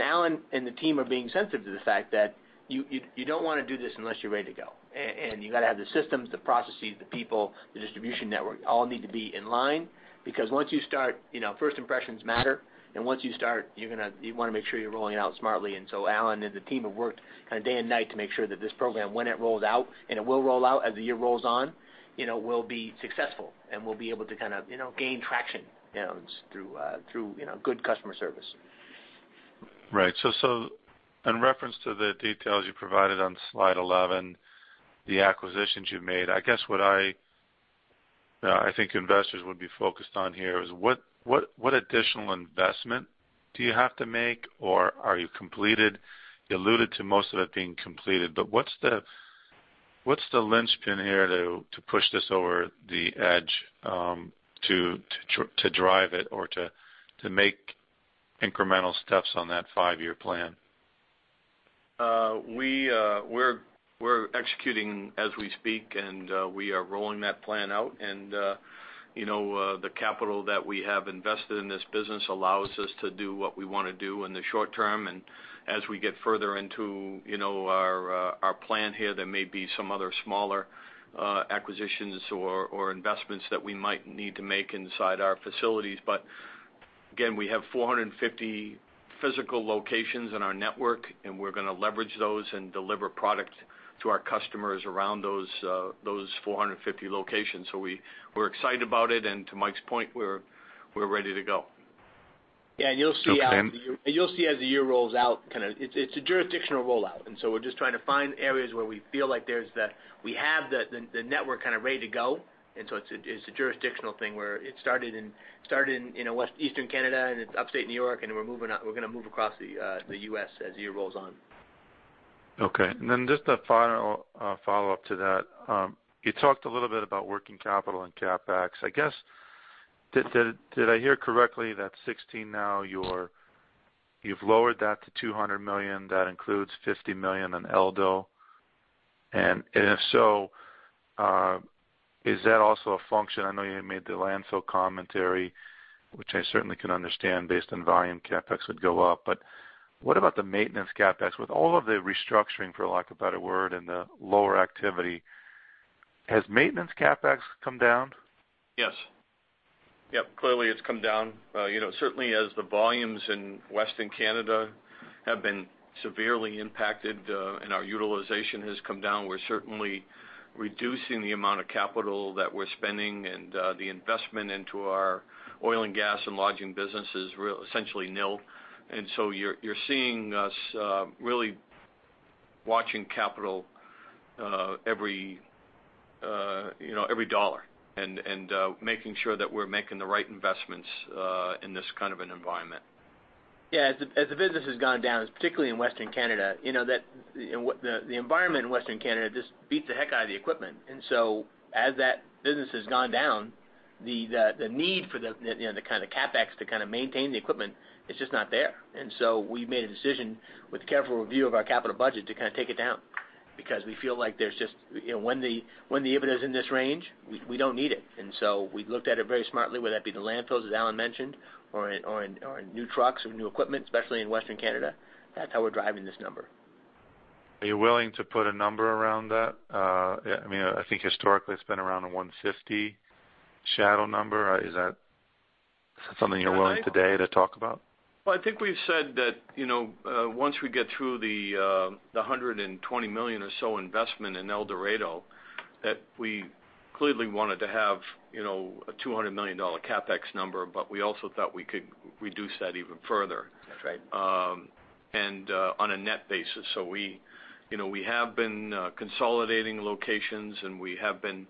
Alan and the team are being sensitive to the fact that you don't wanna do this unless you're ready to go, and you gotta have the systems, the processes, the people, the distribution network, all need to be in line. Because once you start, you know, first impressions matter. And once you start, you're gonna you wanna make sure you're rolling it out smartly. And so Alan and the team have worked kind of day and night to make sure that this program, when it rolls out, and it will roll out as the year rolls on, you know, will be successful. And we'll be able to kind of, you know, gain traction, you know, through through, you know, good customer service. Right. So in reference to the details you provided on slide 11, the acquisitions you made, I guess what I think investors would be focused on here is what additional investment do you have to make, or are you completed? You alluded to most of it being completed, but what's the linchpin here to push this over the edge, to drive it or to make incremental steps on that five-year plan? We're executing as we speak, and, you know, the capital that we have invested in this business allows us to do what we wanna do in the short term. And as we get further into, you know, our, our plan here, there may be some other smaller, acquisitions or, or investments that we might need to make inside our facilities. But again, we have 450 physical locations in our network, and we're going to leverage those and deliver product to our customers around those, those 450 locations. So we're excited about it, and to Mike's point, we're ready to go. Yeah, and you'll see as the year- Go ahead. And you'll see as the year rolls out, kind of, it's a jurisdictional rollout, and so we're just trying to find areas where we feel like there's the we have the network kind of ready to go. And so it's a jurisdictional thing where it started in, you know, Eastern Canada, and it's upstate New York, and we're going to move across the US as the year rolls on. Okay. And then just a final follow-up to that. You talked a little bit about working capital and CapEx. I guess, did I hear correctly that 2016 now, you're—you've lowered that to $200 million, that includes $50 million on Eldo? And if so, is that also a function... I know you made the landfill commentary, which I certainly can understand based on volume, CapEx would go up. But what about the maintenance CapEx? With all of the restructuring, for lack of a better word, and the lower activity, has maintenance CapEx come down? Yes. Yep, clearly, it's come down. You know, certainly as the volumes in Western Canada have been severely impacted, and our utilization has come down, we're certainly reducing the amount of capital that we're spending, and the investment into our Oil and Gas and Lodging business is essentially nil. And so you're seeing us really watching capital every you know every dollar, and making sure that we're making the right investments in this kind of an environment. Yeah, as the business has gone down, particularly in Western Canada, you know, that and what the environment in Western Canada just beats the heck out of the equipment. And so as that business has gone down, the need for the, you know, the kind of CapEx to kind of maintain the equipment is just not there. And so we made a decision with careful review of our capital budget to kind of take it down because we feel like there's just, you know, when the EBITDA is in this range, we don't need it. And so we looked at it very smartly, whether that be the landfills, as Alan mentioned, or in new trucks or new equipment, especially in Western Canada. That's how we're driving this number. Are you willing to put a number around that? I mean, I think historically, it's been around a 150 shadow number. Is that something you're willing today to talk about? Well, I think we've said that, you know, once we get through the $120 million or so investment in El Dorado, that we clearly wanted to have, you know, a $200 million CapEx number, but we also thought we could reduce that even further. That's right. On a net basis. So we, you know, we have been consolidating locations, and we have been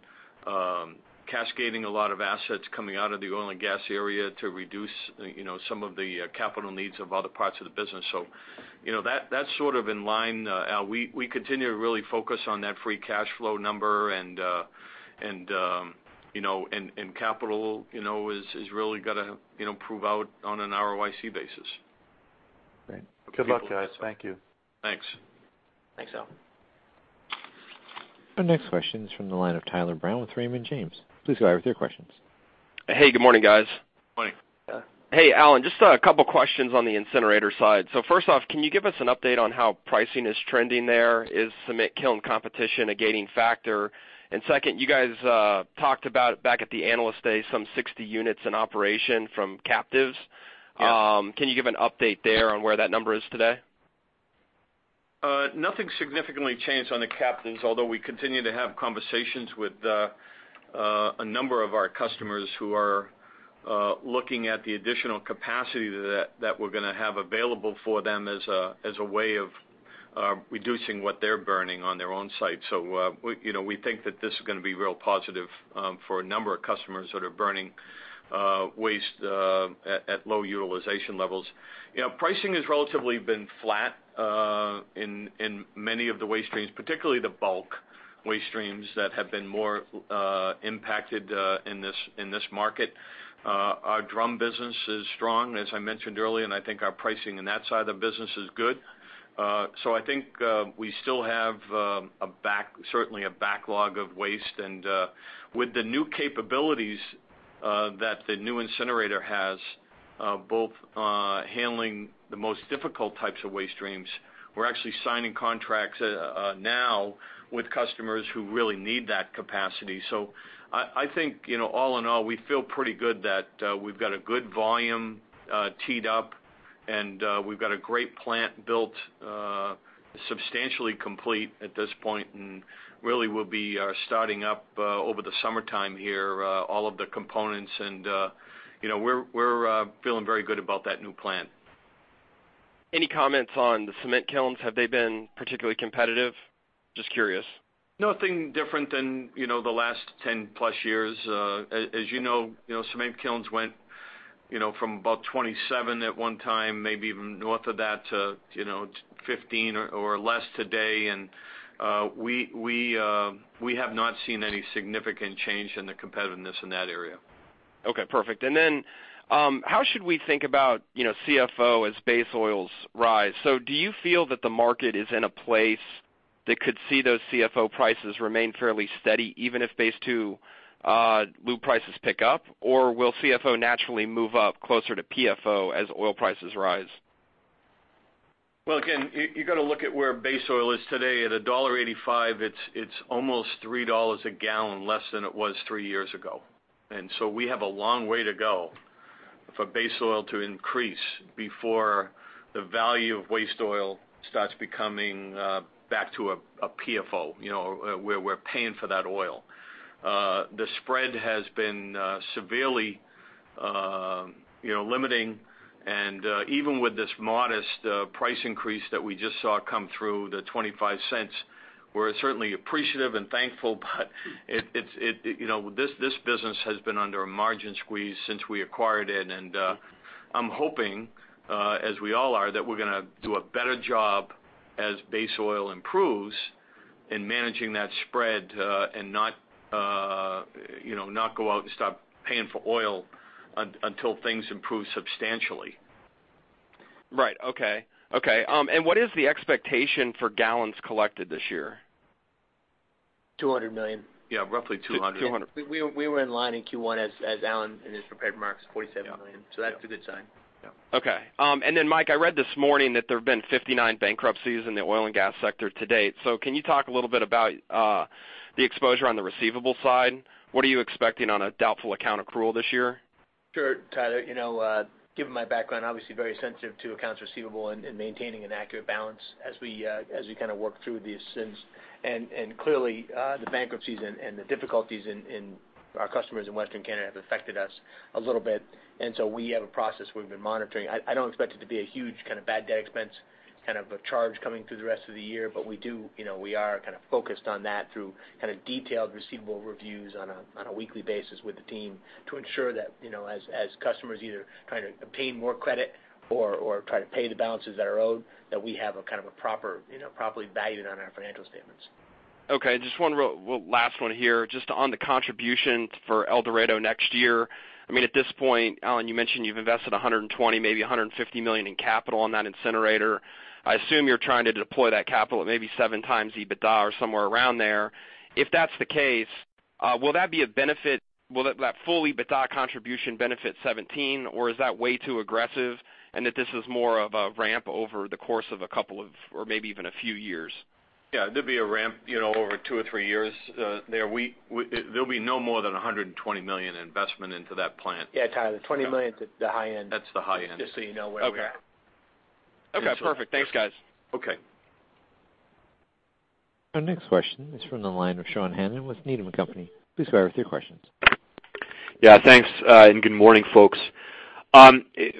cascading a lot of assets coming out of the Oil and Gas area to reduce, you know, some of the capital needs of other parts of the business. So, you know, that's sort of in line. Al, we continue to really focus on that free cash flow number, and, you know, capital, you know, is really going to, you know, prove out on an ROIC basis. Great. Good luck, guys. Thank you. Thanks. Thanks, Al. Our next question is from the line of Tyler Brown with Raymond James. Please go ahead with your questions. Hey, good morning, guys. Morning. Hey, Alan, just a couple of questions on the incinerator side. So first off, can you give us an update on how pricing is trending there? Is cement kiln competition a gaining factor? And second, you guys talked about back at the Analyst Day, some 60 units in operation from captives. Yes. Can you give an update there on where that number is today? Nothing significantly changed on the captives, although we continue to have conversations with a number of our customers who are looking at the additional capacity that we're going to have available for them as a way of reducing what they're burning on their own site. So, we, you know, we think that this is going to be real positive for a number of customers that are burning waste at low utilization levels. You know, pricing has relatively been flat in many of the waste streams, particularly the bulk waste streams that have been more impacted in this market. Our drum business is strong, as I mentioned earlier, and I think our pricing in that side of the business is good. So I think we still have a backlog of waste. And with the new capabilities that the new incinerator has, both handling the most difficult types of waste streams, we're actually signing contracts now with customers who really need that capacity. So I think, you know, all in all, we feel pretty good that we've got a good volume teed up, and we've got a great plant built, substantially complete at this point, and really, we'll be starting up over the summertime here all of the components. And you know, we're feeling very good about that new plant. Any comments on the cement kilns? Have they been particularly competitive? Just curious. Nothing different than, you know, the last 10-plus years. As you know, cement kilns went, you know, from about 27 at one time, maybe even north of that, to, you know, 15 or less today. We have not seen any significant change in the competitiveness in that area. Okay, perfect. And then, how should we think about, you know, CFO as base oils rise? So do you feel that the market is in a place that could see those CFO prices remain fairly steady, even if Group II lube prices pick up? Or will CFO naturally move up closer to PFO as oil prices rise? Well, again, you got to look at where base oil is today. At $1.85, it's almost $3 a gallon less than it was three years ago. And so we have a long way to go for base oil to increase before the value of waste oil starts becoming back to a PFO, you know, where we're paying for that oil. The spread has been severely, you know, limiting, and even with this modest price increase that we just saw come through, the $0.25, we're certainly appreciative and thankful, but it's, you know, this business has been under a margin squeeze since we acquired it. I'm hoping, as we all are, that we're gonna do a better job as base oil improves in managing that spread, and not, you know, not go out and stop paying for oil until things improve substantially. Right. Okay. Okay, and what is the expectation for gallons collected this year? $200 million. Yeah, roughly 200. Two hundred. We were in line in Q1, as Alan, in his prepared remarks, $47 million. Yeah. That's a good sign. Yeah. Okay. And then, Mike, I read this morning that there have been 59 bankruptcies in the oil and gas sector to date. So can you talk a little bit about the exposure on the receivable side? What are you expecting on a doubtful account accrual this year? Sure, Tyler, you know, given my background, obviously very sensitive to accounts receivable and maintaining an accurate balance as we kind of work through these things. Clearly, the bankruptcies and the difficulties with our customers in Western Canada have affected us a little bit, and so we have a process we've been monitoring. I don't expect it to be a huge kind of bad debt expense, kind of a charge coming through the rest of the year, but we do, you know, we are kind of focused on that through kind of detailed receivable reviews on a weekly basis with the team to ensure that, you know, as customers either trying to obtain more credit or try to pay the balances that are owed, that we have a kind of a proper, you know, properly valued on our financial statements. Okay, just one last one here. Just on the contributions for El Dorado next year. I mean, at this point, Alan, you mentioned you've invested $120, maybe $150 million in capital on that incinerator. I assume you're trying to deploy that capital at maybe 7x EBITDA or somewhere around there. If that's the case, will that be a benefit? Will it, that full EBITDA contribution benefit 2017, or is that way too aggressive and that this is more of a ramp over the course of a couple of, or maybe even a few years? Yeah, there'd be a ramp, you know, over two or three years. There'll be no more than $120 million investment into that plant. Yeah, Tyler, $20 million to the high end. That's the high end. Just so you know where we're at. Okay. Okay, perfect. Thanks, guys. Okay. Our next question is from the line of Sean Hannan with Needham & Company. Please go ahead with your questions. Yeah, thanks, and good morning, folks.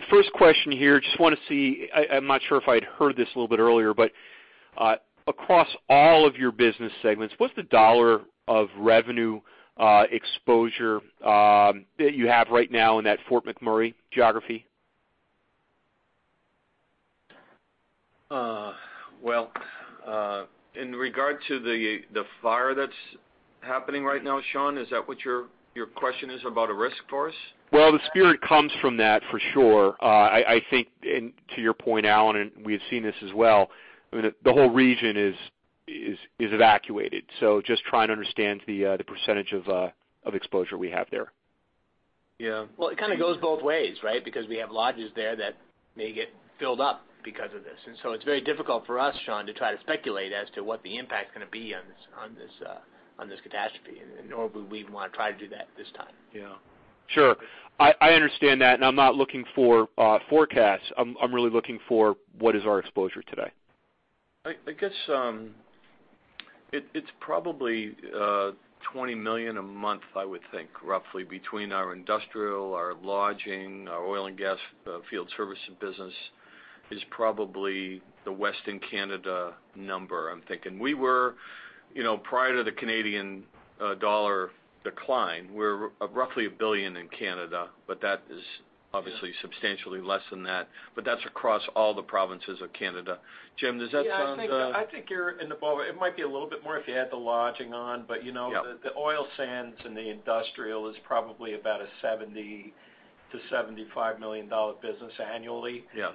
First question here. Just want to see. I'm not sure if I'd heard this a little bit earlier, but, across all of your business segments, what's the dollar of revenue exposure that you have right now in that Fort McMurray geography? Well, in regard to the fire that's happening right now, Sean, is that what your question is about, a risk for us? Well, the spirit comes from that, for sure. I think, and to your point, Alan, and we have seen this as well, I mean, the whole region is evacuated. So just trying to understand the percentage of exposure we have there. Yeah. Well, it kind of goes both ways, right? Because we have lodges there that may get filled up because of this. And so it's very difficult for us, Sean, to try to speculate as to what the impact is gonna be on this, on this, on this catastrophe, nor would we even want to try to do that at this time. Yeah. Sure. I understand that, and I'm not looking for forecasts. I'm really looking for what is our exposure today. I guess it's probably $20 million a month, I would think, roughly, between our industrial, our Lodging, our Oil and Gas field servicing business, is probably the Western Canada number, I'm thinking. We were, you know, prior to the Canadian dollar decline, we're roughly $1 billion in Canada, but that is obviously substantially less than that. But that's across all the provinces of Canada. Jim, does that sound- Yeah, I think, I think you're in the ball. It might be a little bit more if you add the Lodging on, but, you know- Yeah The oil sands and the industrial is probably about a $70 million-$75 million business annually- Yes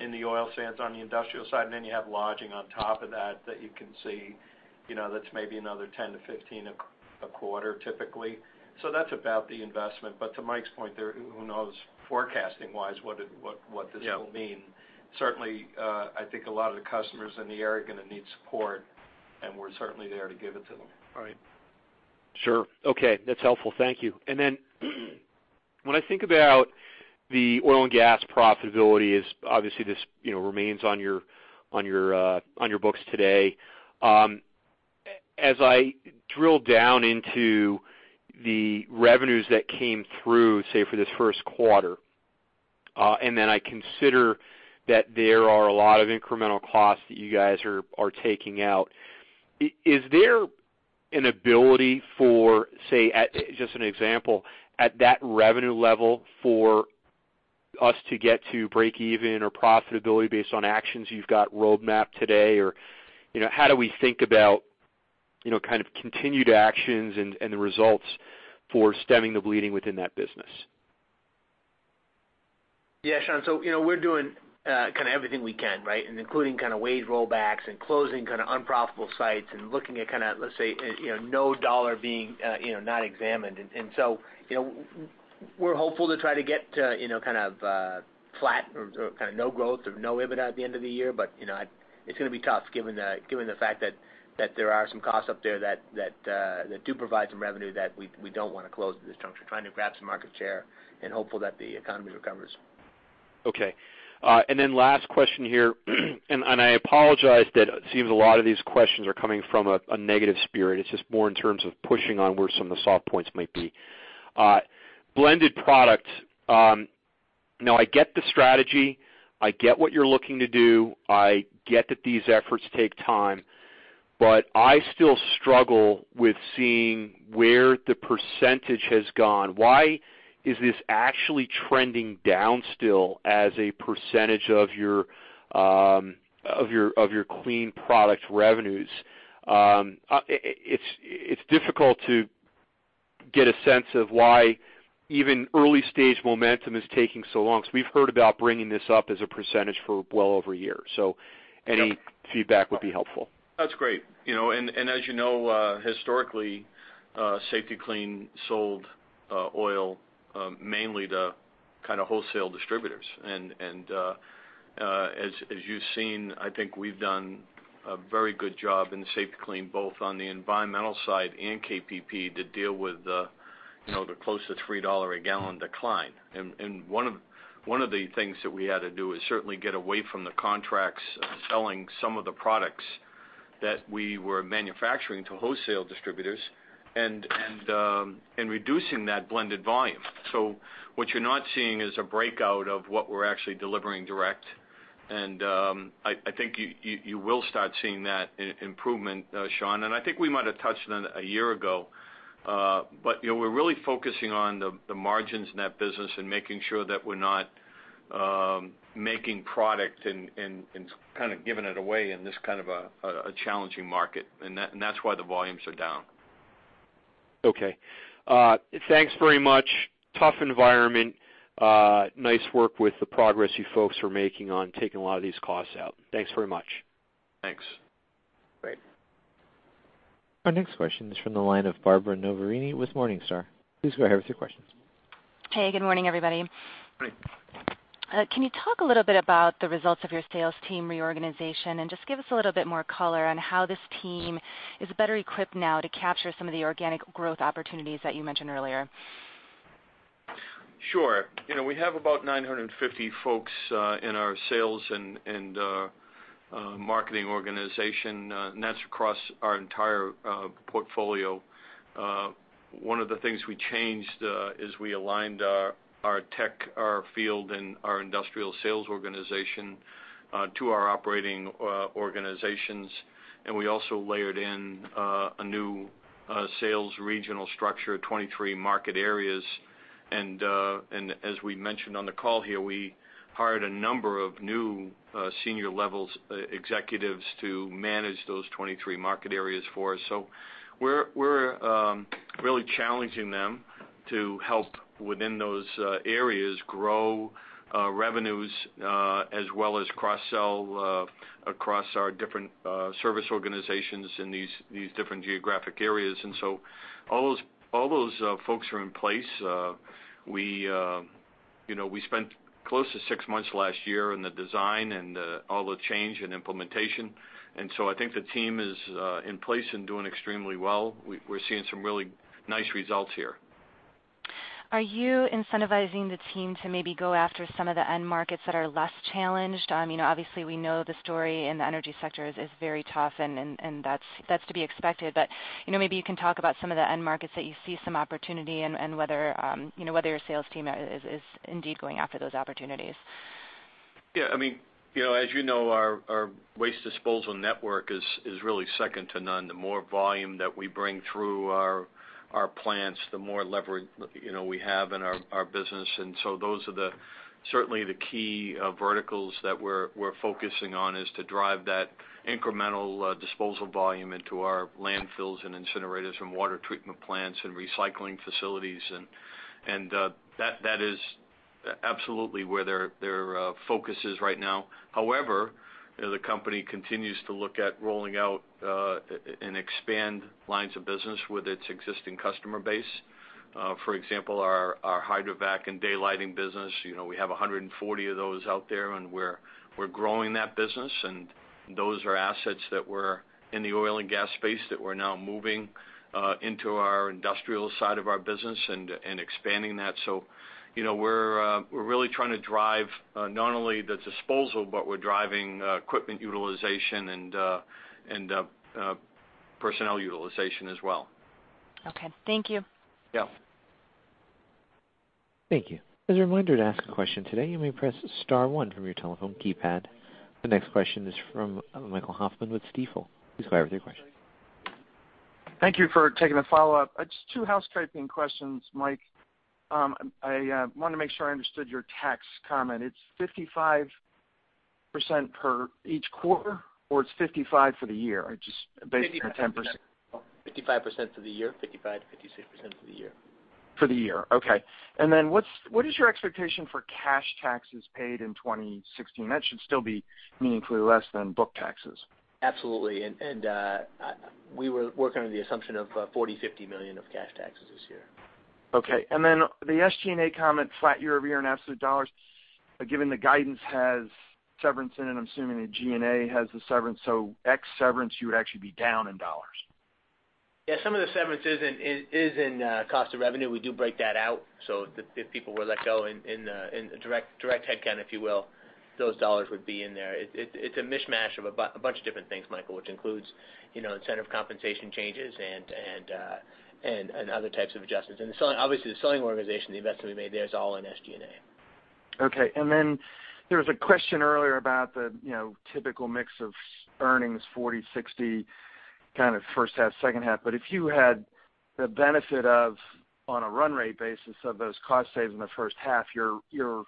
in the oil sands on the industrial side, and then you have Lodging on top of that, that you can see, you know, that's maybe another 10-15 a quarter, typically. So that's about the investment. But to Mike's point there, who knows, forecasting-wise, what this will mean. Yeah. Certainly, I think a lot of the customers in the area are gonna need support, and we're certainly there to give it to them. Right. Sure. Okay, that's helpful. Thank you. And then when I think about the Oil and Gas profitability is obviously this, you know, remains on your, on your, on your books today. As I drill down into the revenues that came through, say, for this first quarter, and then I consider that there are a lot of incremental costs that you guys are, are taking out, is there an ability for, say, at just an example, at that revenue level for us to get to break even or profitability based on actions you've got roadmap today? Or, you know, how do we think about, you know, kind of continued actions and, and the results for stemming the bleeding within that business? Yeah, Sean, so, you know, we're doing kind of everything we can, right? And including kind of wage rollbacks and closing kind of unprofitable sites and looking at kind of, let's say, you know, no dollar being, you know, not examined. And so, you know, we're hopeful to try to get to, you know, kind of flat or kind of no growth or no EBITDA at the end of the year. But, you know, it's gonna be tough given the fact that there are some costs up there that do provide some revenue that we don't wanna close at this juncture. Trying to grab some market share and hopeful that the economy recovers. Okay. And then last question here, and I apologize that it seems a lot of these questions are coming from a negative spirit. It's just more in terms of pushing on where some of the soft points might be. Blended product, now I get the strategy, I get what you're looking to do, I get that these efforts take time, but I still struggle with seeing where the percentage has gone. Why is this actually trending down still as a percentage of your clean product revenues? It's difficult to get a sense of why even early stage momentum is taking so long. So we've heard about bringing this up as a percentage for well over a year. So any feedback would be helpful. That's great. You know, and, and as you know, historically, Safety-Kleen sold, oil, mainly to kind of wholesale distributors. And, and, as, as you've seen, I think we've done a very good job in Safety-Kleen, both on the environmental side and CPP, to deal with the, you know, the close to $3 a gallon decline. And, and one of, one of the things that we had to do is certainly get away from the contracts of selling some of the products that we were manufacturing to wholesale distributors and, and, and reducing that blended volume. So what you're not seeing is a breakout of what we're actually delivering direct. And, I, I think you, you, you will start seeing that improvement, Sean, and I think we might have touched on it a year ago. But, you know, we're really focusing on the margins in that business and making sure that we're not making product and kind of giving it away in this kind of a challenging market. And that's why the volumes are down. Okay. Thanks very much. Tough environment. Nice work with the progress you folks are making on taking a lot of these costs out. Thanks very much. Thanks. Great. Our next question is from the line of Barbara Noverini with Morningstar. Please go ahead with your question. Hey, good morning, everybody. Good morning. Can you talk a little bit about the results of your sales team reorganization? Just give us a little bit more color on how this team is better equipped now to capture some of the organic growth opportunities that you mentioned earlier. Sure. You know, we have about 950 folks in our sales and marketing organization, and that's across our entire portfolio. One of the things we changed is we aligned our tech, our field, and our industrial sales organization to our operating organizations. And we also layered in a new sales regional structure, 23 market areas. And as we mentioned on the call here, we hired a number of new senior levels executives to manage those 23 market areas for us. So we're really challenging them to help within those areas grow revenues as well as cross-sell across our different service organizations in these different geographic areas. And so all those folks are in place. We, you know, we spent close to six months last year in the design and all the change and implementation, and so I think the team is in place and doing extremely well. We're seeing some really nice results here. Are you incentivizing the team to maybe go after some of the end markets that are less challenged? You know, obviously, we know the story in the energy sector is very tough, and that's to be expected. But, you know, maybe you can talk about some of the end markets that you see some opportunity and whether your sales team is indeed going after those opportunities. Yeah, I mean, you know, as you know, our waste disposal network is really second to none. The more volume that we bring through our plants, the more leverage, you know, we have in our business. And so those are certainly the key verticals that we're focusing on is to drive that incremental disposal volume into our landfills and incinerators and water treatment plants and recycling facilities. And that is absolutely where their focus is right now. However, the company continues to look at rolling out and expand lines of business with its existing customer base. For example, our hydrovac and daylighting business, you know, we have 140 of those out there, and we're growing that business. Those are assets that were in the Oil and Gas space that we're now moving into our industrial side of our business and expanding that. So, you know, we're really trying to drive not only the disposal, but we're driving equipment utilization and personnel utilization as well. Okay. Thank you. Yeah. Thank you. As a reminder, to ask a question today, you may press star one from your telephone keypad. The next question is from Michael Hoffman with Stifel. Please go ahead with your question. Thank you for taking the follow-up. Just two housekeeping questions, Mike. I wanted to make sure I understood your tax comment. It's 55% per each quarter, or it's 55 for the year? I just based on 10%. 55% for the year. 55%-56% for the year. For the year. Okay. And then what is your expectation for cash taxes paid in 2016? That should still be meaningfully less than book taxes. Absolutely, and we were working under the assumption of $40 million-$50 million of cash taxes this year. Okay. Then the SG&A comment, flat year-over-year in absolute dollars, but given the guidance has severance in it, I'm assuming the G&A has the severance, so ex severance, you would actually be down in dollars. Yeah, some of the severance is in cost of revenue. We do break that out, so if people were let go in the direct headcount, if you will, those dollars would be in there. It's a mishmash of a bunch of different things, Michael, which includes, you know, incentive compensation changes and other types of adjustments. And the selling, obviously, the selling organization, the investment we made there is all in SG&A. Okay, and then there was a question earlier about the, you know, typical mix of earnings, 40, 60, kind of first half, second half. But if you had the benefit of, on a run rate basis, of those cost saves in the first half, your, your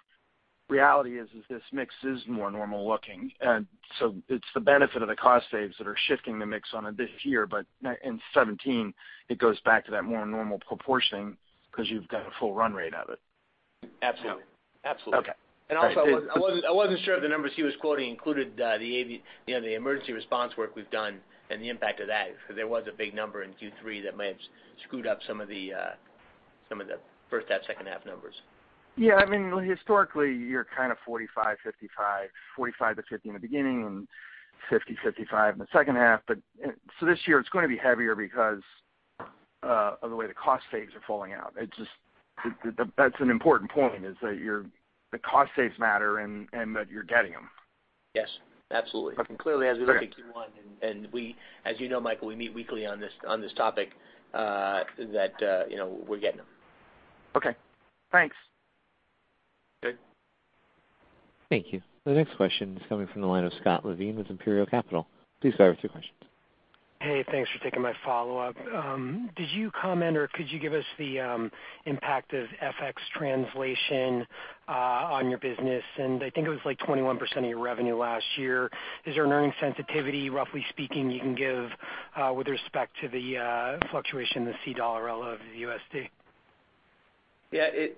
reality is this mix is more normal looking. And so it's the benefit of the cost saves that are shifting the mix on it this year, but in 2017, it goes back to that more normal proportion because you've got a full run rate of it. Absolutely. Yeah. Absolutely. Okay. And also, I wasn't sure if the numbers he was quoting included you know, the emergency response work we've done and the impact of that, because there was a big number in Q3 that might have screwed up some of the first half, second half numbers. Yeah, I mean, historically, you're kind of 45, 55, 45-50 in the beginning and 50, 55 in the second half. But, so this year it's going to be heavier because of the way the cost saves are falling out. It's just... That's an important point, is that you're the cost saves matter and that you're getting them. Yes, absolutely. Okay. Clearly, as we look at Q1, as you know, Michael, we meet weekly on this, on this topic, you know, we're getting them. Okay. Thanks. Good. Thank you. The next question is coming from the line of Scott Levine with Imperial Capital. Please go ahead with your questions. Hey, thanks for taking my follow-up. Did you comment, or could you give us the impact of FX translation on your business? And I think it was, like, 21% of your revenue last year. Is there an earning sensitivity, roughly speaking, you can give with respect to the fluctuation in the C dollar relative to the USD? Yeah, it,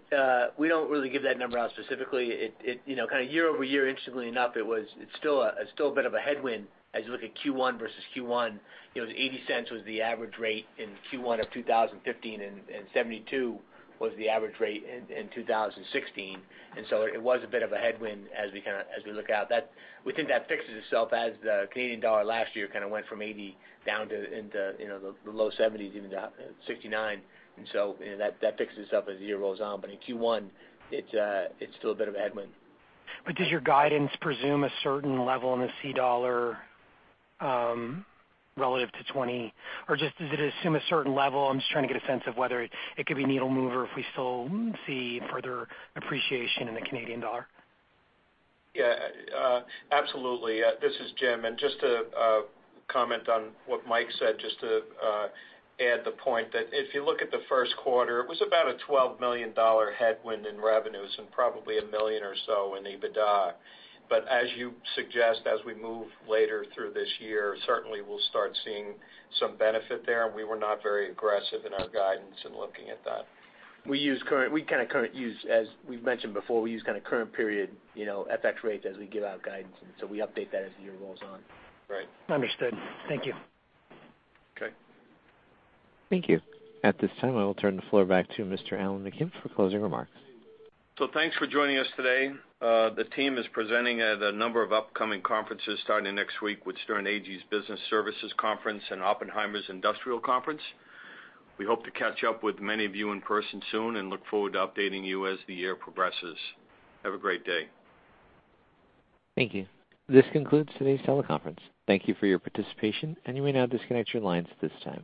we don't really give that number out specifically. It, you know, kind of year-over-year, interestingly enough, it was, it's still a, it's still a bit of a headwind as you look at Q1 versus Q1. You know, $0.80 was the average rate in Q1 of 2015, and, and $0.72 was the average rate in, in 2016. And so it was a bit of a headwind as we kind of, as we look out. That. We think that fixes itself as the Canadian dollar last year kind of went from 80 down to, into, you know, the, the low 70s, even to 69. And so, you know, that, that fixes itself as the year rolls on. But in Q1, it's, it's still a bit of a headwind. But does your guidance presume a certain level in the C dollar, relative to 20? Or just does it assume a certain level? I'm just trying to get a sense of whether it could be a needle mover if we still see further appreciation in the Canadian dollar. Yeah, absolutely. This is Jim, and just to comment on what Mike said, just to add the point, that if you look at the first quarter, it was about a $12 million headwind in revenues and probably a $1 million or so in EBITDA. But as you suggest, as we move later through this year, certainly we'll start seeing some benefit there, and we were not very aggressive in our guidance in looking at that. We kind of currently use, as we've mentioned before, we use kind of current period, you know, FX rates as we give out guidance, and so we update that as the year rolls on. Right. Understood. Thank you. Okay. Thank you. At this time, I will turn the floor back to Mr. Alan McKim for closing remarks. Thanks for joining us today. The team is presenting at a number of upcoming conferences starting next week with Stern Agee’s Business Services Conference and Oppenheimer’s Industrial Conference. We hope to catch up with many of you in person soon, and look forward to updating you as the year progresses. Have a great day. Thank you. This concludes today's teleconference. Thank you for your participation, and you may now disconnect your lines at this time.